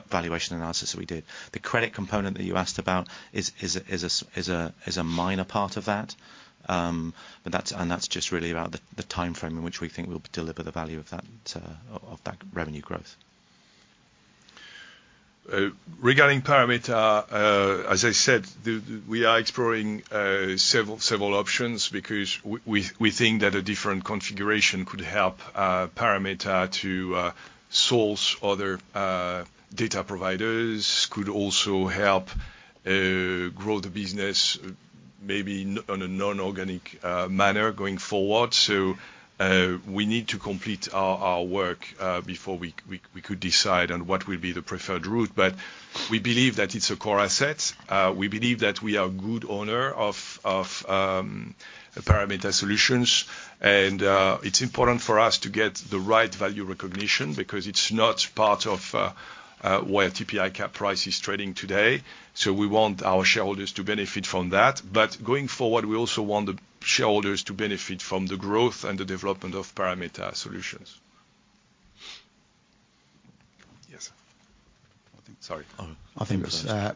valuation analysis that we did. The credit component that you asked about is a minor part of that, and that's just really about the timeframe in which we think we'll deliver the value of that revenue growth. Regarding Parameta, as I said, we are exploring several options because we think that a different configuration could help Parameta to source other data providers, could also help grow the business maybe on a non-organic manner going forward. So we need to complete our work before we could decide on what will be the preferred route. But we believe that it's a core asset. We believe that we are a good owner of Parameta Solutions, and it's important for us to get the right value recognition because it's not part of where TP ICAP price is trading today. So we want our shareholders to benefit from that. But going forward, we also want the shareholders to benefit from the growth and the development of Parameta Solutions. I think that's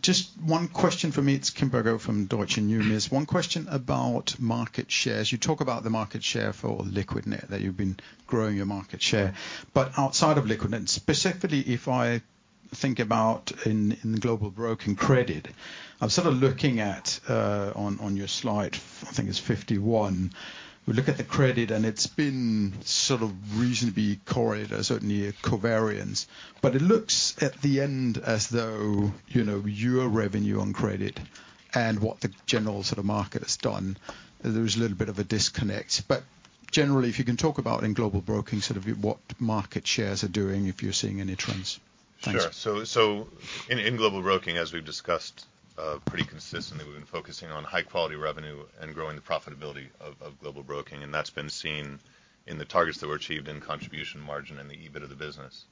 just one question for me. It's Kim from Deutsche. One question about market shares. You talk about the market share for Liquidnet, that you've been growing your market share. But outside of Liquidnet, and specifically if I think about in the Global Broking credit, I'm sort of looking at on your slide, I think it's 51. We look at the credit, and it's been sort of reasonably correlated, certainly covariance. But it looks at the end as though your revenue on credit and what the general sort of market has done, there's a little bit of a disconnect. But generally, if you can talk about in Global Broking sort of what market shares are doing, if you're seeing any trends. Thanks. Sure. So in Global Broking, as we've discussed pretty consistently, we've been focusing on high-quality revenue and growing the profitability of Global Broking, and that's been seen in the targets that were achieved in contribution margin and the EBIT of the business.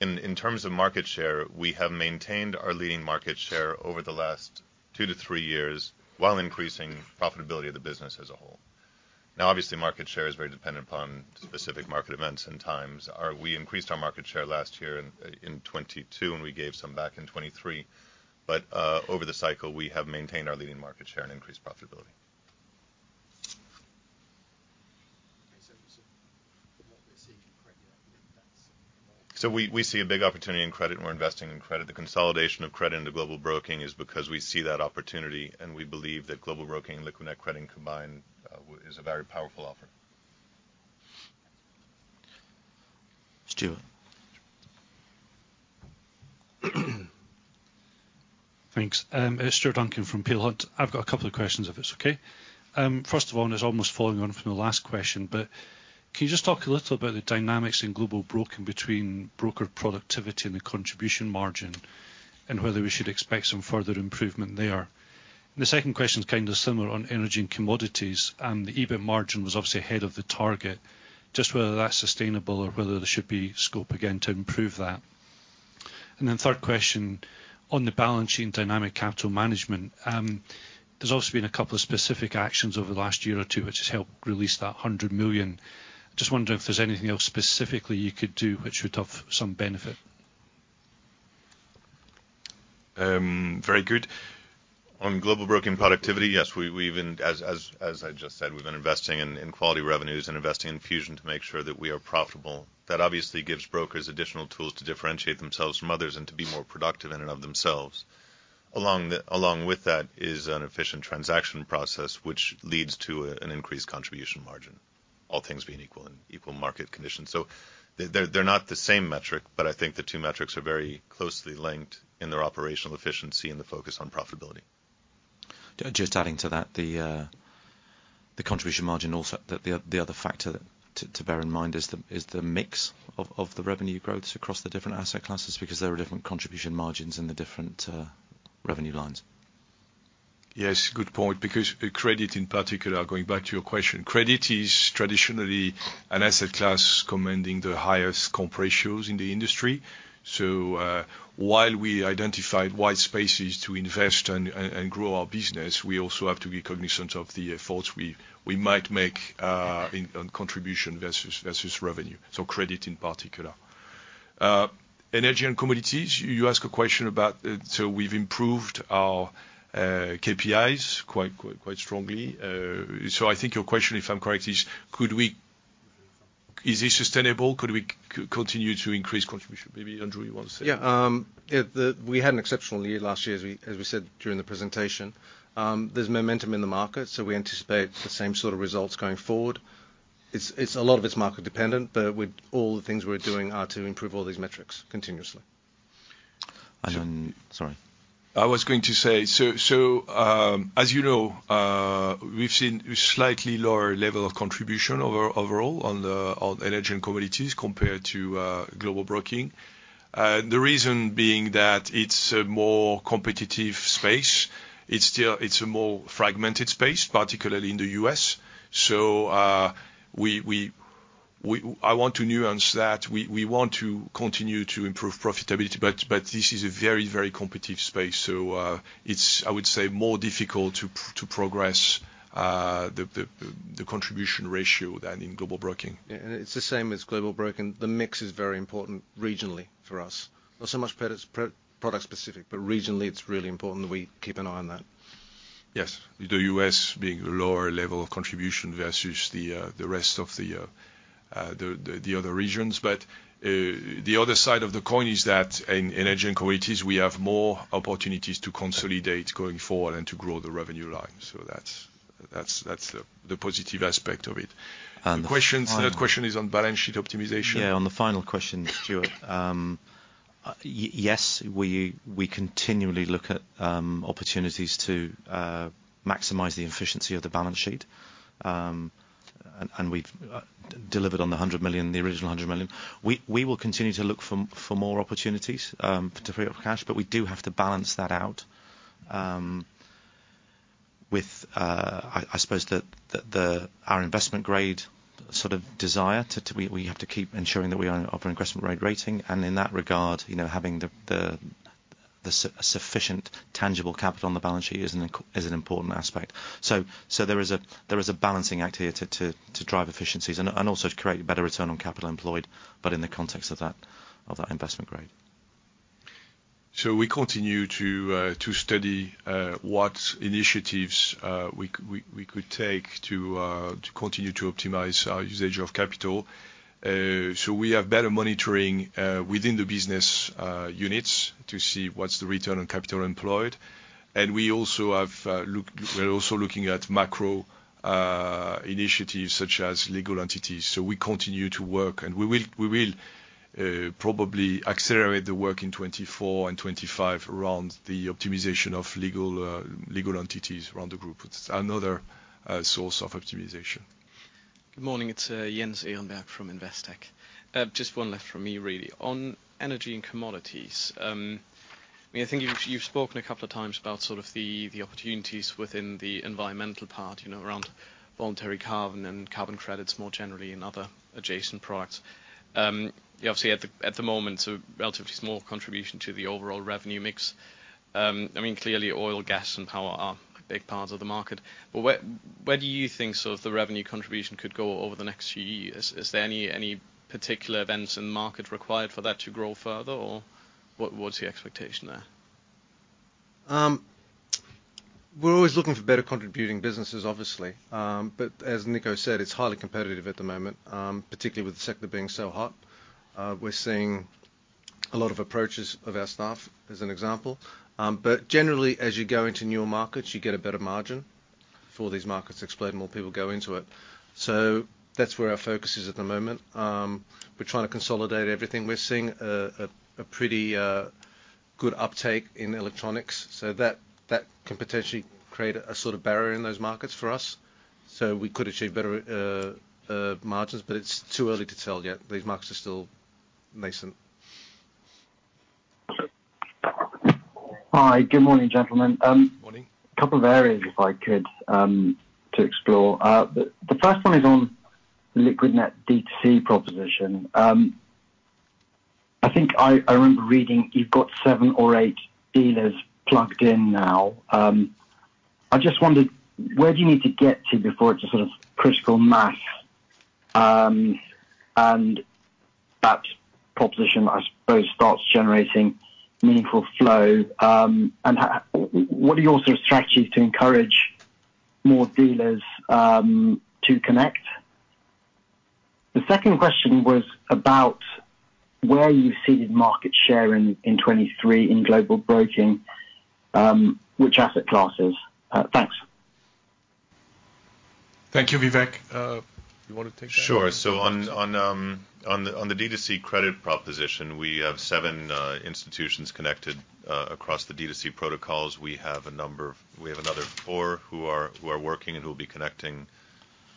In terms of market share, we have maintained our leading market share over the last two-to-three years while increasing profitability of the business as a whole. Now, obviously, market share is very dependent upon specific market events and times. We increased our market share last year in 2022, and we gave some back in 2023. But over the cycle, we have maintained our leading market share and increased profitability. So we see a big opportunity in credit, and we're investing in credit. The consolidation of credit into Global Broking is because we see that opportunity, and we believe that Global Broking and Liquidnet Credit combined is a very powerful offer. Thanks. It's Stuart Duncan from Peel Hunt. I've got a couple of questions, if it's okay. First of all, it's almost following on from the last question, but can you just talk a little about the dynamics in Global Broking between broker productivity and the contribution margin and whether we should expect some further improvement there? And the second question's kind of similar on Energy & Commodities, and the EBIT margin was obviously ahead of the target, just whether that's sustainable or whether there should be scope again to improve that. And then third question, on the balance sheet and dynamic capital management, there's obviously been a couple of specific actions over the last year or two which have helped release that 100 million. I'm just wondering if there's anything else specifically you could do which would have some benefit. Very good. On Global Broking productivity, yes, as I just said, we've been investing in quality revenues and investing in Fusion to make sure that we are profitable. That obviously gives brokers additional tools to differentiate themselves from others and to be more productive in and of themselves. Along with that is an efficient transaction process which leads to an increased contribution margin, all things being equal in equal market conditions. So they're not the same metric, but I think the two metrics are very closely linked in their operational efficiency and the focus on profitability. Just adding to that, the contribution margin also, the other factor to bear in mind is the mix of the revenue growths across the different asset classes because there are different contribution margins in the different revenue lines. Yes. Good point because credit in particular, going back to your question, credit is traditionally an asset class commanding the highest comp ratios in the industry. So while we identified white spaces to invest and grow our business, we also have to be cognizant of the efforts we might make on contribution versus revenue, so credit in particular. Energy and commodities, you asked a question about so we've improved our KPIs quite strongly. So I think your question, if I'm correct, is could we is this sustainable? Could we continue to increase contribution? Maybe Andrew, you want to say? Yeah. We had an exceptional lead last year, as we said during the presentation. There's momentum in the market, so we anticipate the same sort of results going forward. A lot of it's market-dependent, but all the things we're doing are to improve all these metrics continuously. And then, sorry. I was going to say, so as you know, we've seen a slightly lower level of contribution overall on energy and commodities compared to Global Broking. The reason being that it's a more competitive space. It's a more fragmented space, particularly in the U.S. So I want to nuance that. We want to continue to improve profitability, but this is a very, very competitive space. So it's, I would say, more difficult to progress the contribution ratio than in Global Broking. It's the same as Global Broking. The mix is very important regionally for us. Not so much product-specific, but regionally, it's really important that we keep an eye on that. Yes. The U.S. being a lower level of contribution versus the rest of the other regions. But the other side of the coin is that in energy and commodities, we have more opportunities to consolidate going forward and to grow the revenue line. So that's the positive aspect of it. The third question is on balance sheet optimization. Yeah. On the final question, Stuart. Yes, we continually look at opportunities to maximize the efficiency of the balance sheet, and we've delivered on the original 100 million. We will continue to look for more opportunities to free up cash, but we do have to balance that out with, I suppose, our investment grade sort of desire to we have to keep ensuring that we are of an investment grade rating. And in that regard, having a sufficient tangible capital on the balance sheet is an important aspect. So there is a balancing act here to drive efficiencies and also to create a better return on capital employed, but in the context of that investment grade. So we continue to study what initiatives we could take to continue to optimize our usage of capital. So we have better monitoring within the business units to see what's the return on capital employed. And we're also looking at macro initiatives such as legal entities. So we continue to work, and we will probably accelerate the work in 2024 and 2025 around the optimization of legal entities around the group. It's another source of optimization. Good morning. It's Jens Ehrenberg from Investec. Just one left from me, really. On energy and commodities, I mean, I think you've spoken a couple of times about sort of the opportunities within the environmental part around voluntary carbon and carbon credits more generally and other adjacent products. Obviously, at the moment, it's a relatively small contribution to the overall revenue mix. I mean, clearly, oil, gas, and power are big parts of the market. But where do you think sort of the revenue contribution could go over the next few years? Is there any particular events in the market required for that to grow further, or what's the expectation there? We're always looking for better contributing businesses, obviously. But as Nico said, it's highly competitive at the moment, particularly with the sector being so hot. We're seeing a lot of approaches of our staff, as an example. But generally, as you go into newer markets, you get a better margin. For these markets to exploit, more people go into it. So that's where our focus is at the moment. We're trying to consolidate everything. We're seeing a pretty good uptake in electronics. So that can potentially create a sort of barrier in those markets for us. So we could achieve better margins, but it's too early to tell yet. These markets are still nascent. Hi. Good morning, gentlemen. Morning. A couple of areas, if I could, to explore. The first one is on Liquidnet DTC proposition. I remember reading you've got seven or eight dealers plugged in now. I just wondered, where do you need to get to before it's a sort of critical mass? And that proposition, I suppose, starts generating meaningful flow. And what are your sort of strategies to encourage more dealers to connect? The second question was about where you've gained market share in 2023 in Global Broking, which asset classes? Thanks. Thank you, Vivek. You want to take that? Sure. So on the DTC credit proposition, we have seven institutions connected across the DTC protocols. We have a number of. We have another four who are working and who will be connecting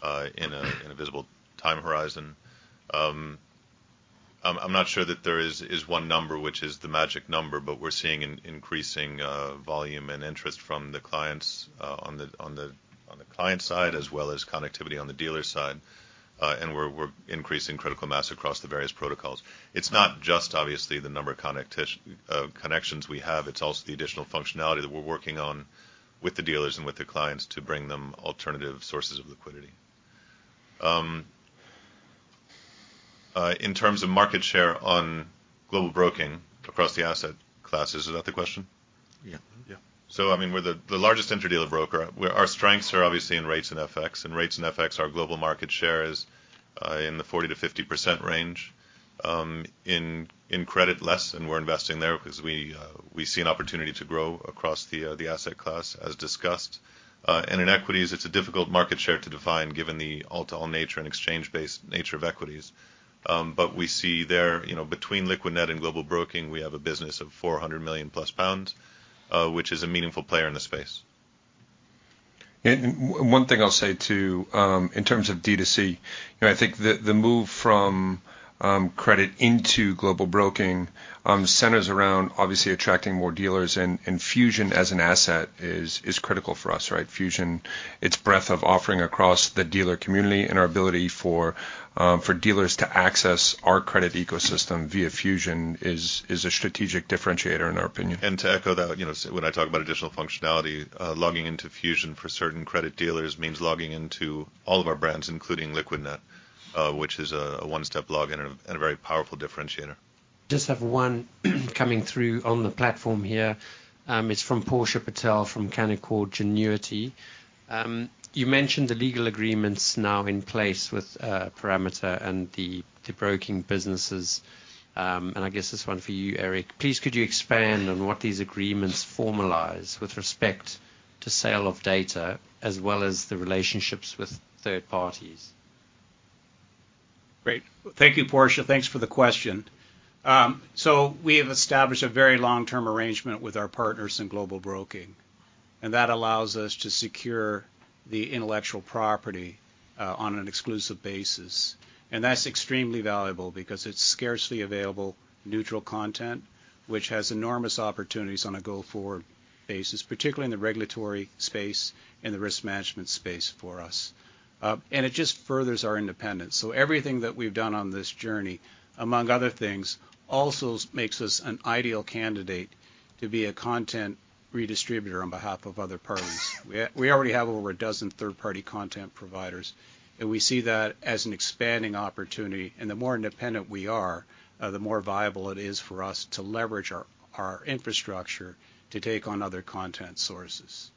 in a visible time horizon. I'm not sure that there is one number which is the magic number, but we're seeing increasing volume and interest from the clients on the client side as well as connectivity on the dealer side. And we're increasing critical mass across the various protocols. It's not just, obviously, the number of connections we have. It's also the additional functionality that we're working on with the dealers and with the clients to bring them alternative sources of liquidity. In terms of market share on Global Broking across the asset classes, is that the question? Yeah. Yeah. So, I mean, we're the largest interdealer broker. Our strengths are, obviously, in rates and FX. In rates and FX, our global market share is in the 40%-50% range. In credit, less, and we're investing there because we see an opportunity to grow across the asset class, as discussed. And in equities, it's a difficult market share to define given the all-to-all nature and exchange-based nature of equities. But we see there, between Liquidnet and Global Broking, we have a business of 400 million pounds-plus, which is a meaningful player in the space. One thing I'll say too, in terms of DTC, I think the move from credit into Global Broking centers around, obviously, attracting more dealers. Fusion as an asset is critical for us, right? Fusion, its breadth of offering across the dealer community and our ability for dealers to access our credit ecosystem via Fusion is a strategic differentiator, in our opinion. To echo that, when I talk about additional functionality, logging into Fusion for certain credit dealers means logging into all of our brands, including Liquidnet, which is a one-step login and a very powerful differentiator. Just have one coming through on the platform here. It's from Portia Patel from Canaccord Genuity. You mentioned the legal agreements now in place with Parameta and the broking businesses. And I guess this one for you, Eric. Please, could you expand on what these agreements formalize with respect to sale of data as well as the relationships with third parties? Great. Thank you, Porsche. Thanks for the question. So we have established a very long-term arrangement with our partners in Global Broking. And that allows us to secure the intellectual property on an exclusive basis. And that's extremely valuable because it's scarcely available neutral content, which has enormous opportunities on a go-forward basis, particularly in the regulatory space and the risk management space for us. And it just furthers our independence. So everything that we've done on this journey, among other things, also makes us an ideal candidate to be a content redistributor on behalf of other parties. We already have over a dozen third-party content providers. And we see that as an expanding opportunity. And the more independent we are, the more viable it is for us to leverage our infrastructure to take on other content sources.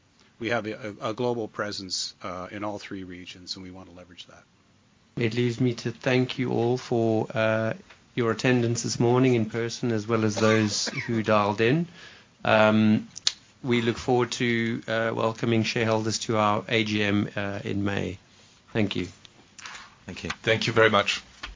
We have a global presence in all three regions, and we want to leverage that. It leaves me to thank you all for your attendance this morning in person as well as those who dialed in. We look forward to welcoming shareholders to our AGM in May. Thank you. Thank you very much.